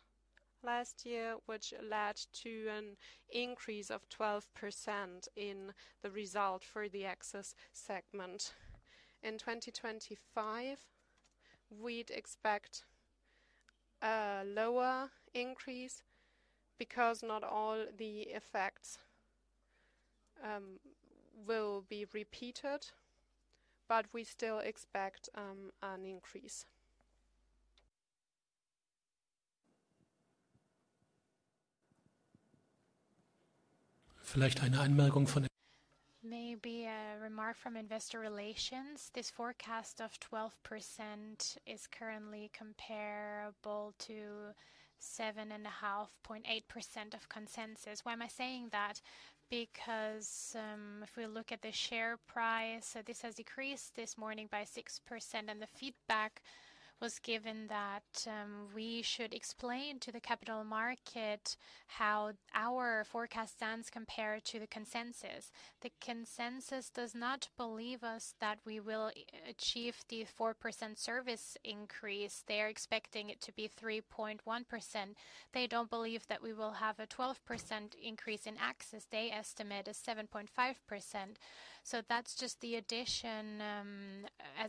last year, which led to an increase of 12% in the result for the access segment. In 2025, we'd expect a lower increase because not all the effects will be repeated. We still expect an increase. Maybe a remark from investor relations. This forecast of 12% is currently comparable to 7.5% to 0.8% of consensus. Why am I saying that? Because if we look at the share price, this has decreased this morning by 6%. The feedback was given that we should explain to the capital market how our forecast stands compared to the consensus. The consensus does not believe us that we will achieve the 4% service increase. They're expecting it to be 3.1%. They don't believe that we will have a 12% increase in access. They estimate a 7.5%. That's just as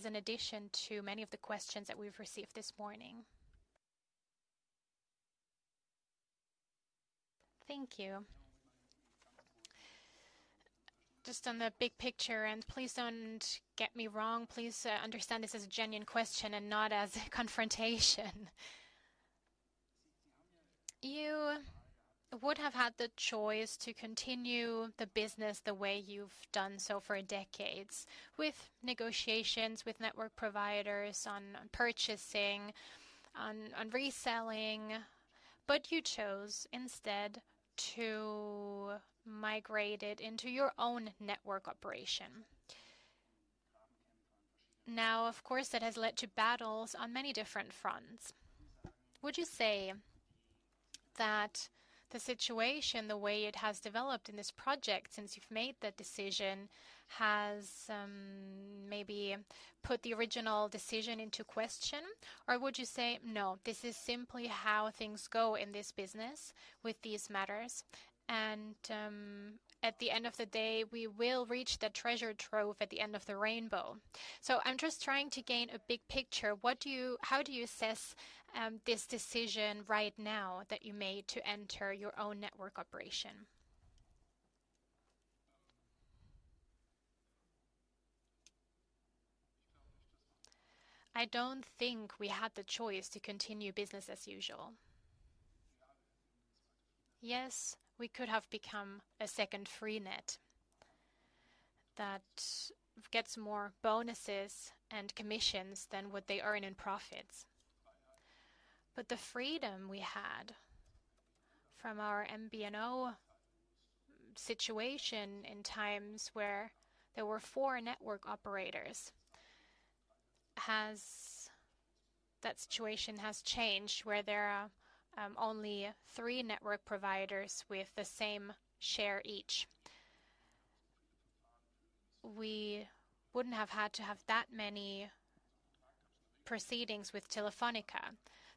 an addition to many of the questions that we've received this morning. Thank you. Just on the big picture. Please don't get me wrong. Please understand this as a genuine question and not as confrontation. You would have had the choice to continue the business the way you've done so for decades with negotiations, with network providers on purchasing, on reselling. But you chose instead to migrate it into your own network operation. Now, of course, that has led to battles on many different fronts. Would you say that the situation, the way it has developed in this project since you've made that decision, has maybe put the original decision into question? Or would you say, "No, this is simply how things go in this business with these matters." And at the end of the day, we will reach the treasure trove at the end of the rainbow. So I'm just trying to gain a big picture. How do you assess this decision right now that you made to enter your own network operation? I don't think we had the choice to continue business as usual. Yes, we could have become a second Freenet that gets more bonuses and commissions than what they earn in profits. But the freedom we had from our MVNO situation in times where there were four network operators, that situation has changed where there are only three network providers with the same share each. We wouldn't have had to have that many proceedings with Telefónica.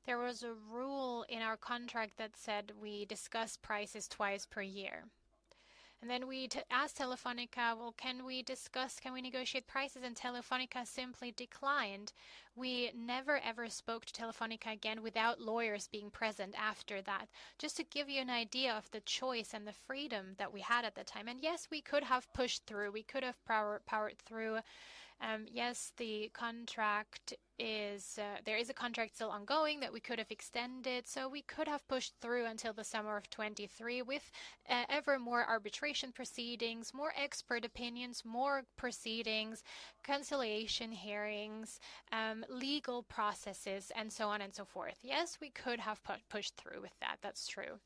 There was a rule in our contract that said we discuss prices twice per year. And then we asked Telefónica, "Well, can we negotiate prices?" And Telefónica simply declined. We never, ever spoke to Telefónica again without lawyers being present after that, just to give you an idea of the choice and the freedom that we had at the time. And yes, we could have pushed through. We could have powered through. Yes, there is a contract still ongoing that we could have extended. So we could have pushed through until the summer of 2023 with ever more arbitration proceedings, more expert opinions, more proceedings, conciliation hearings, legal processes, and so on and so forth. Yes, we could have pushed through with that. That's true.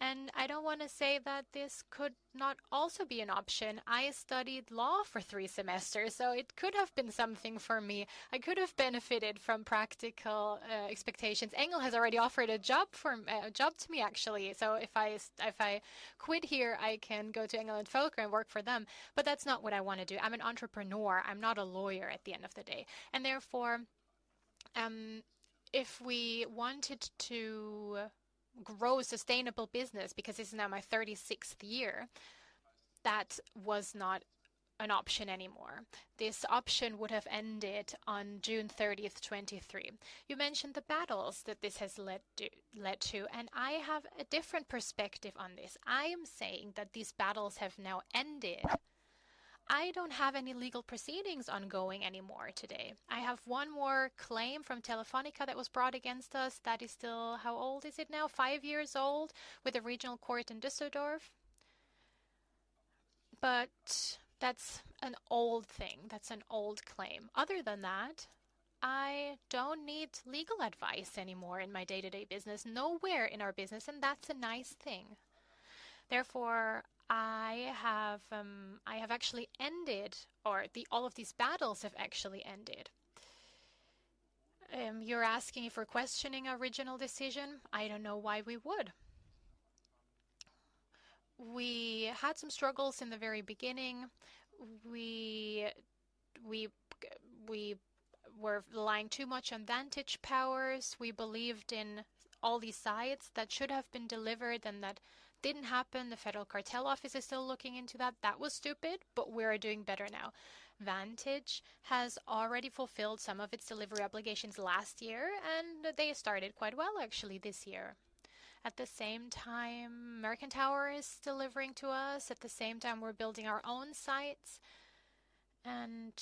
And I don't want to say that this could not also be an option. I studied law for three semesters. So it could have been something for me. I could have benefited from practical expectations. Engel & Völkers has already offered a job to me, actually. So if I quit here, I can go to Engel & Völkers and work for them. But that's not what I want to do. I'm an entrepreneur. I'm not a lawyer at the end of the day. Therefore, if we wanted to grow a sustainable business because this is now my 36th year, that was not an option anymore. This option would have ended on June 30th, 2023. You mentioned the battles that this has led to. I have a different perspective on this. I am saying that these battles have now ended. I don't have any legal proceedings ongoing anymore today. I have one more claim from Telefónica that was brought against us. That is still how old is it now? 5 years old with a regional court in Düsseldorf. But that's an old thing. That's an old claim. Other than that, I don't need legal advice anymore in my day-to-day business, nowhere in our business. That's a nice thing. Therefore, I have actually ended or all of these battles have actually ended. You're asking if we're questioning our original decision. I don't know why we would. We had some struggles in the very beginning. We were relying too much on Vantage Towers. We believed in all these sites that should have been delivered and that didn't happen. The Federal Cartel Office is still looking into that. That was stupid. But we are doing better now. Vantage Towers has already fulfilled some of its delivery obligations last year. And they started quite well, actually, this year. At the same time, American Tower is delivering to us. At the same time, we're building our own sites. And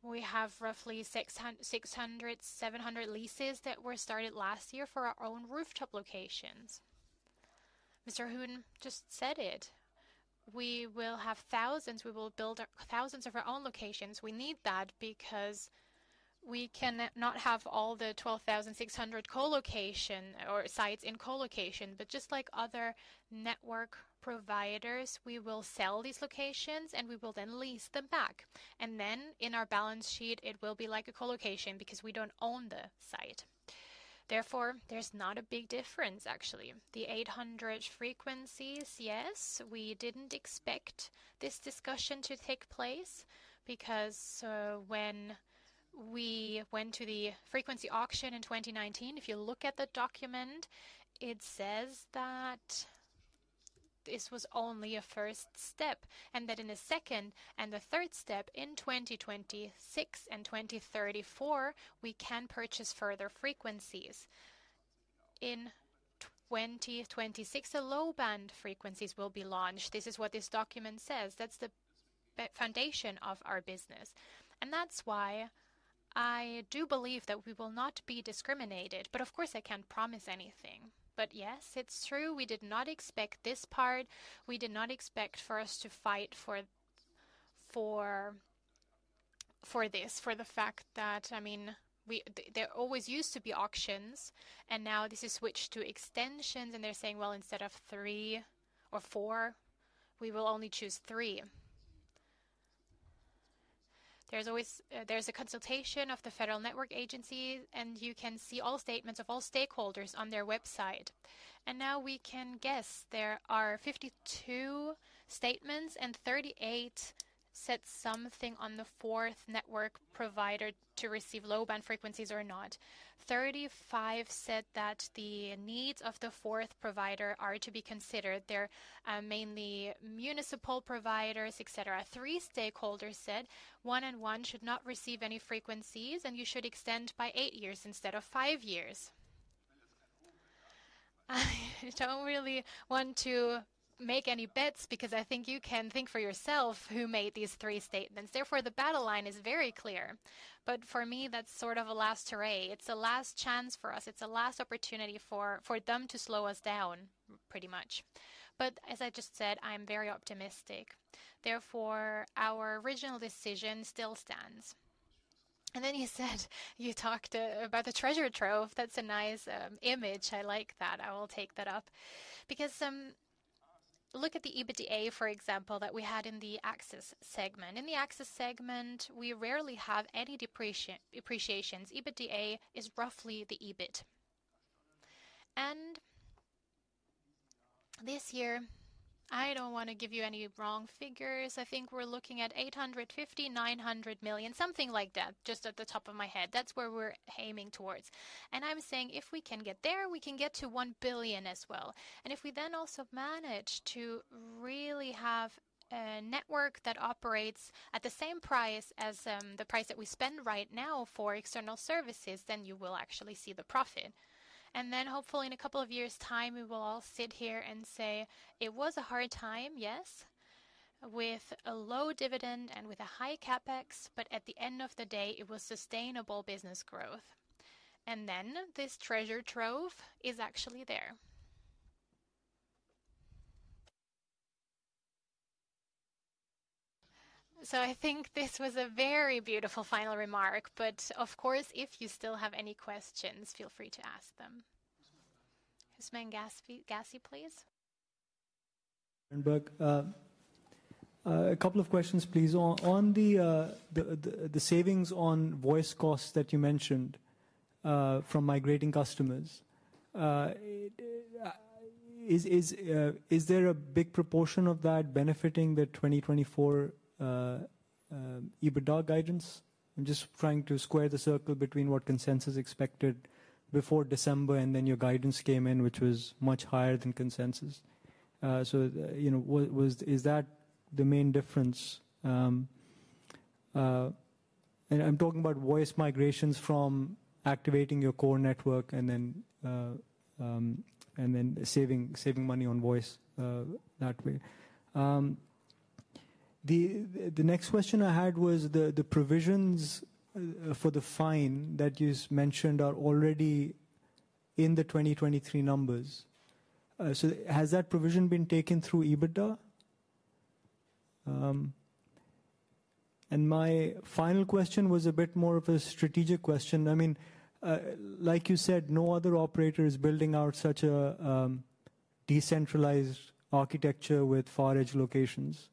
we have roughly 600-700 leases that were started last year for our own rooftop locations. Mr. Huhn just said it. We will have thousands. We will build thousands of our own locations. We need that because we cannot have all the 12,600 sites in colocation. But just like other network providers, we will sell these locations. We will then lease them back. Then in our balance sheet, it will be like a colocation because we don't own the site. Therefore, there's not a big difference, actually. The 800 frequencies, yes, we didn't expect this discussion to take place because when we went to the frequency auction in 2019, if you look at the document, it says that this was only a first step and that in the second and the third step in 2026 and 2034, we can purchase further frequencies. In 2026, the low-band frequencies will be launched. This is what this document says. That's the foundation of our business. That's why I do believe that we will not be discriminated. But of course, I can't promise anything. But yes, it's true. We did not expect this part. We did not expect for us to fight for this, for the fact that, I mean, there always used to be auctions. Now this is switched to extensions. They're saying, "Well, instead of 3 or 4, we will only choose 3." There's a consultation of the Federal Network Agency. You can see all statements of all stakeholders on their website. Now we can guess. There are 52 statements. 38 said something on the fourth network provider to receive low-band frequencies or not. 35 said that the needs of the fourth provider are to be considered. They're mainly municipal providers, etc. 3 stakeholders said 1&1 should not receive any frequencies. You should extend by 8 years instead of 5 years. I don't really want to make any bets because I think you can think for yourself who made these 3 statements. Therefore, the battle line is very clear. But for me, that's sort of a last resort. It's a last chance for us. It's a last opportunity for them to slow us down, pretty much. But as I just said, I'm very optimistic. Therefore, our original decision still stands. And then he said you talked about the treasure trove. That's a nice image. I like that. I will take that up because look at the EBITDA, for example, that we had in the access segment. In the access segment, we rarely have any depreciations. EBITDA is roughly the EBIT. And this year, I don't want to give you any wrong figures. I think we're looking at 850-900 million, something like that, just off the top of my head. That's where we're aiming towards. And I'm saying if we can get there, we can get to 1 billion as well. If we then also manage to really have a network that operates at the same price as the price that we spend right now for external services, then you will actually see the profit. Then hopefully, in a couple of years' time, we will all sit here and say, "It was a hard time, yes, with a low dividend and with a high CapEx. But at the end of the day, it was sustainable business growth." Then this treasure trove is actually there. I think this was a very beautiful final remark. But of course, if you still have any questions, feel free to ask them. Usman Ghazi, please. Berenberg, a couple of questions, please. On the savings on voice costs that you mentioned from migrating customers, is there a big proportion of that benefiting the 2024 EBITDA guidance? I'm just trying to square the circle between what consensus expected before December and then your guidance came in, which was much higher than consensus. So is that the main difference? And I'm talking about voice migrations from activating your core network and then saving money on voice that way. The next question I had was the provisions for the fine that you mentioned are already in the 2023 numbers. So has that provision been taken through EBITDA? And my final question was a bit more of a strategic question. I mean, like you said, no other operator is building out such a decentralized architecture with far-edge locations.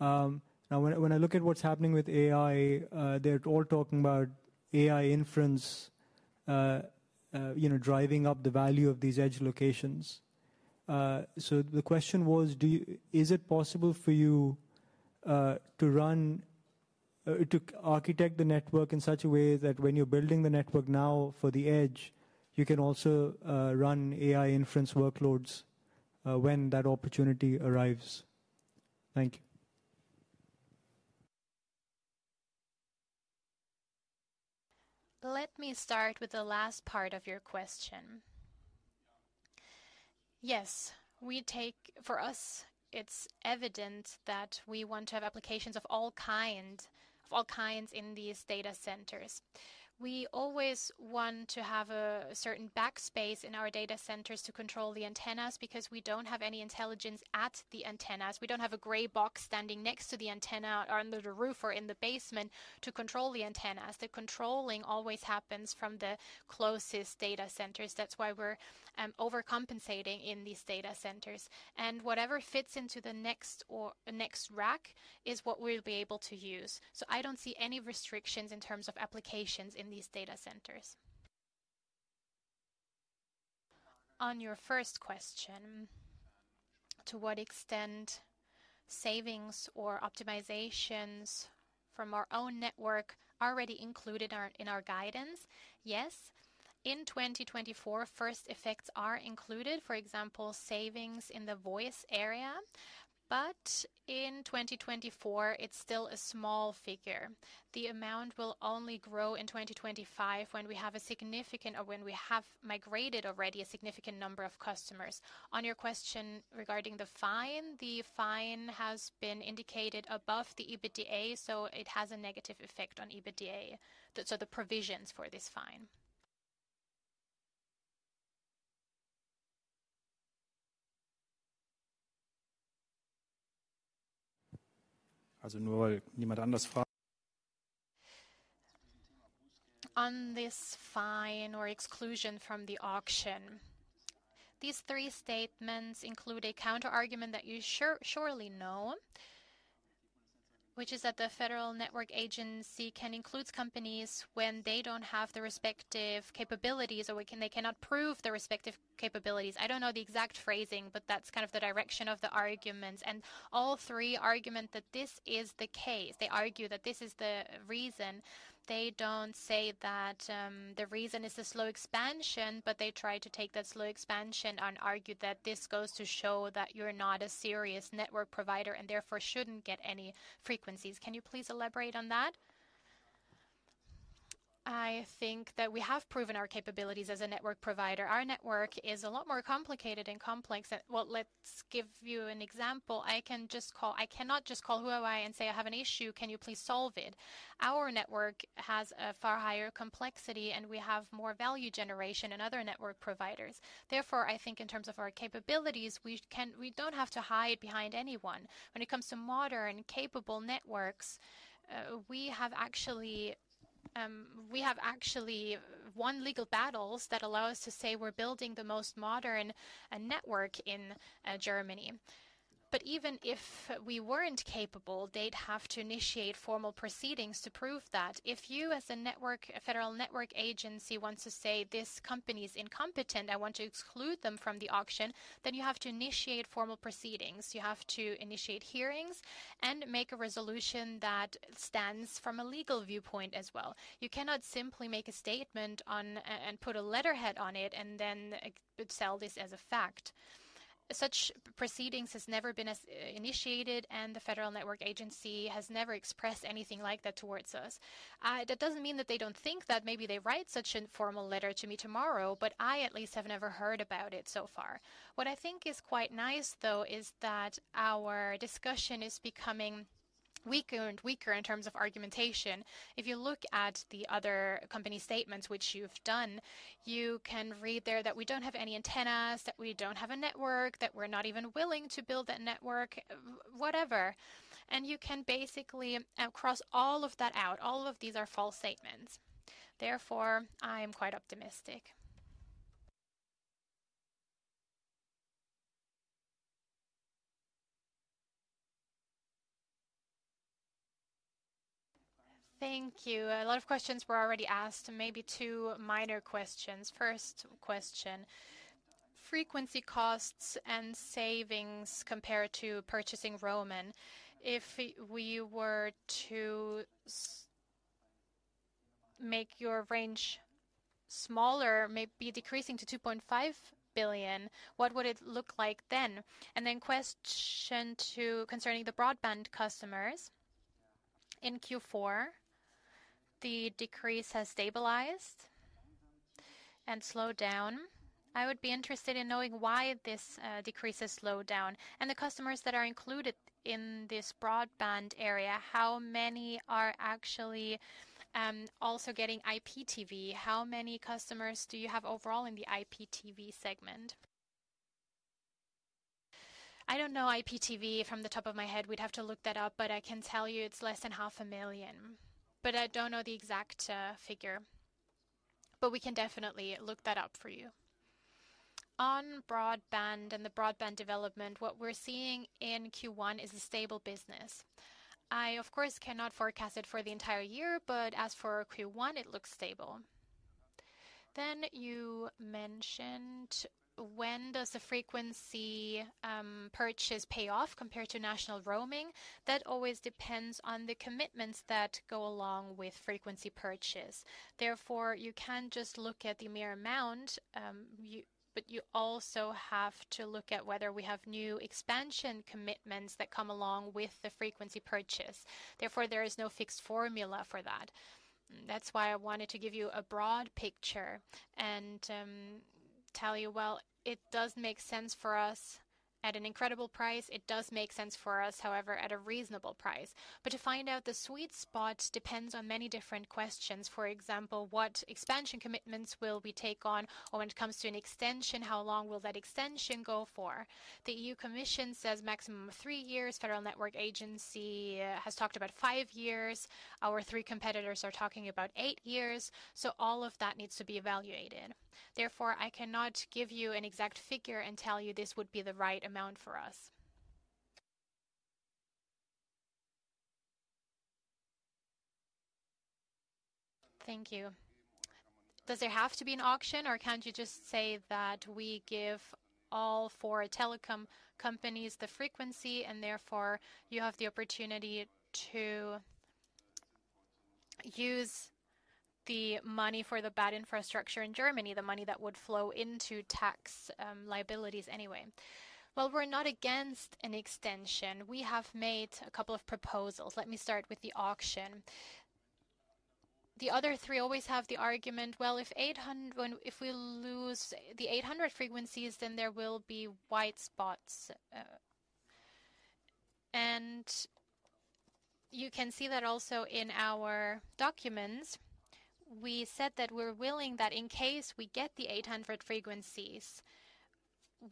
Now, when I look at what's happening with AI, they're all talking about AI inference driving up the value of these edge locations. So the question was, is it possible for you to architect the network in such a way that when you're building the network now for the edge, you can also run AI inference workloads when that opportunity arrives? Thank you. Let me start with the last part of your question. Yes, for us, it's evident that we want to have applications of all kinds in these data centers. We always want to have a certain backspace in our data centers to control the antennas because we don't have any intelligence at the antennas. We don't have a gray box standing next to the antenna under the roof or in the basement to control the antennas. The controlling always happens from the closest data centers. That's why we're overcompensating in these data centers. And whatever fits into the next rack is what we'll be able to use. So I don't see any restrictions in terms of applications in these data centers. On your first question, to what extent savings or optimizations from our own network are already included in our guidance? Yes, in 2024, first effects are included, for example, savings in the voice area. But in 2024, it's still a small figure. The amount will only grow in 2025 when we have a significant or when we have migrated already a significant number of customers. On your question regarding the fine, the fine has been indicated above the EBITDA. So it has a negative effect on EBITDA, so the provisions for this fine. On this fine or exclusion from the auction, these three statements include a counterargument that you surely know, which is that the Federal Network Agency can exclude companies when they don't have the respective capabilities or when they cannot prove the respective capabilities. I don't know the exact phrasing. But that's kind of the direction of the arguments. And all three argue that this is the case, they argue that this is the reason. They don't say that the reason is the slow expansion. But they try to take that slow expansion and argue that this goes to show that you're not a serious network provider and therefore shouldn't get any frequencies. Can you please elaborate on that? I think that we have proven our capabilities as a network provider. Our network is a lot more complicated and complex. Well, let's give you an example. I cannot just call Huawei and say, "I have an issue. Can you please solve it?" Our network has a far higher complexity. And we have more value generation than other network providers. Therefore, I think in terms of our capabilities, we don't have to hide behind anyone. When it comes to modern, capable networks, we have actually one legal battle that allows us to say we're building the most modern network in Germany. But even if we weren't capable, they'd have to initiate formal proceedings to prove that. If you, as a Federal Network Agency, want to say this company is incompetent, I want to exclude them from the auction, then you have to initiate formal proceedings. You have to initiate hearings and make a resolution that stands from a legal viewpoint as well. You cannot simply make a statement and put a letterhead on it and then sell this as a fact. Such proceedings have never been initiated. The Federal Network Agency has never expressed anything like that towards us. That doesn't mean that they don't think that. Maybe they write such a formal letter to me tomorrow. I, at least, have never heard about it so far. What I think is quite nice, though, is that our discussion is becoming weaker and weaker in terms of argumentation. If you look at the other company statements which you've done, you can read there that we don't have any antennas, that we don't have a network, that we're not even willing to build that network, whatever. You can basically cross all of that out. All of these are false statements. Therefore, I am quite optimistic. Thank you. A lot of questions were already asked. Maybe two minor questions. First question, frequency costs and savings compared to purchasing roaming. If we were to make your range smaller, maybe decreasing to 2.5 billion, what would it look like then? And then question two concerning the broadband customers. In Q4, the decrease has stabilized and slowed down. I would be interested in knowing why this decrease has slowed down. And the customers that are included in this broadband area, how many are actually also getting IPTV? How many customers do you have overall in the IPTV segment? I don't know IPTV from the top of my head. We'd have to look that up. But I can tell you it's less than 500,000. But I don't know the exact figure. But we can definitely look that up for you. On broadband and the broadband development, what we're seeing in Q1 is a stable business. I, of course, cannot forecast it for the entire year. But as for Q1, it looks stable. Then you mentioned when does the frequency purchase pay off compared to national roaming? That always depends on the commitments that go along with frequency purchase. Therefore, you can just look at the mere amount. But you also have to look at whether we have new expansion commitments that come along with the frequency purchase. Therefore, there is no fixed formula for that. That's why I wanted to give you a broad picture and tell you, "Well, it does make sense for us at an incredible price. It does make sense for us, however, at a reasonable price." But to find out the sweet spot depends on many different questions. For example, what expansion commitments will we take on? Or when it comes to an extension, how long will that extension go for? The EU Commission says maximum of 3 years. Federal Network Agency has talked about 5 years. Our 3 competitors are talking about 8 years. So all of that needs to be evaluated. Therefore, I cannot give you an exact figure and tell you this would be the right amount for us. Thank you. Does there have to be an auction? Or can't you just say that we give all 4 telekom companies the frequency? And therefore, you have the opportunity to use the money for the bad infrastructure in Germany, the money that would flow into tax liabilities anyway? Well, we're not against an extension. We have made a couple of proposals. Let me start with the auction. The other three always have the argument, "Well, if we lose the 800 frequencies, then there will be white spots." You can see that also in our documents. We said that we're willing that in case we get the 800 frequencies,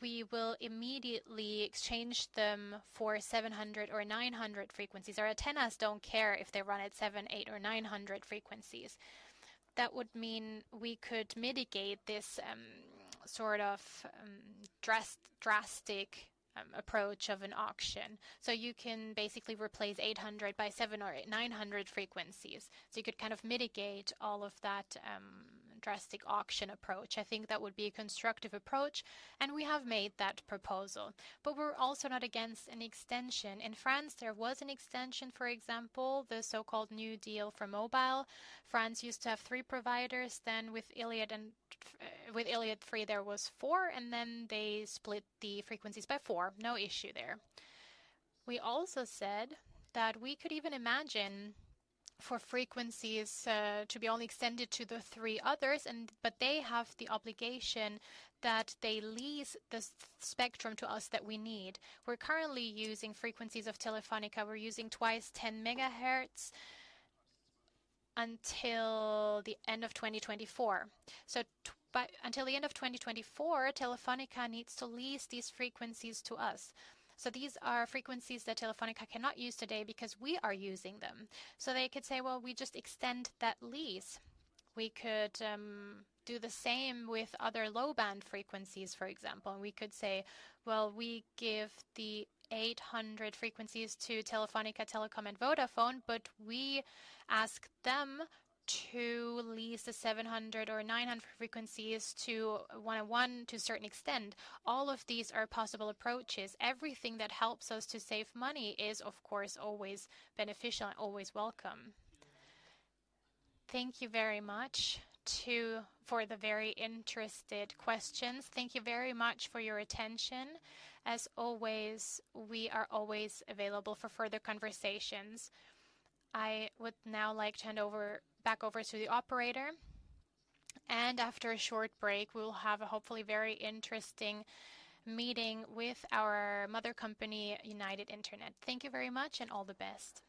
we will immediately exchange them for 700 or 900 frequencies. Our antennas don't care if they run at 700, 800, or 900 frequencies. That would mean we could mitigate this sort of drastic approach of an auction. You can basically replace 800 by 900 frequencies. You could kind of mitigate all of that drastic auction approach. I think that would be a constructive approach. We have made that proposal. We're also not against an extension. In France, there was an extension, for example, the so-called New Deal for mobile. France used to have three providers. Then with Iliad Free, there was four. Then they split the frequencies by four. No issue there. We also said that we could even imagine for frequencies to be only extended to the three others. But they have the obligation that they lease the spectrum to us that we need. We're currently using frequencies of Telefónica. We're using twice 10 MHz until the end of 2024. So until the end of 2024, Telefónica needs to lease these frequencies to us. So these are frequencies that Telefónica cannot use today because we are using them. So they could say, "Well, we just extend that lease." We could do the same with other low-band frequencies, for example. And we could say, "Well, we give the 800 frequencies to Telefónica, Telekom, and Vodafone. But we ask them to lease the 700 or 900 frequencies to 1&1 to a certain extent." All of these are possible approaches. Everything that helps us to save money is, of course, always beneficial and always welcome. Thank you very much for the very interested questions. Thank you very much for your attention. As always, we are always available for further conversations. I would now like to hand back over to the operator. After a short break, we will have a hopefully very interesting meeting with our mother company, United Internet. Thank you very much. All the best.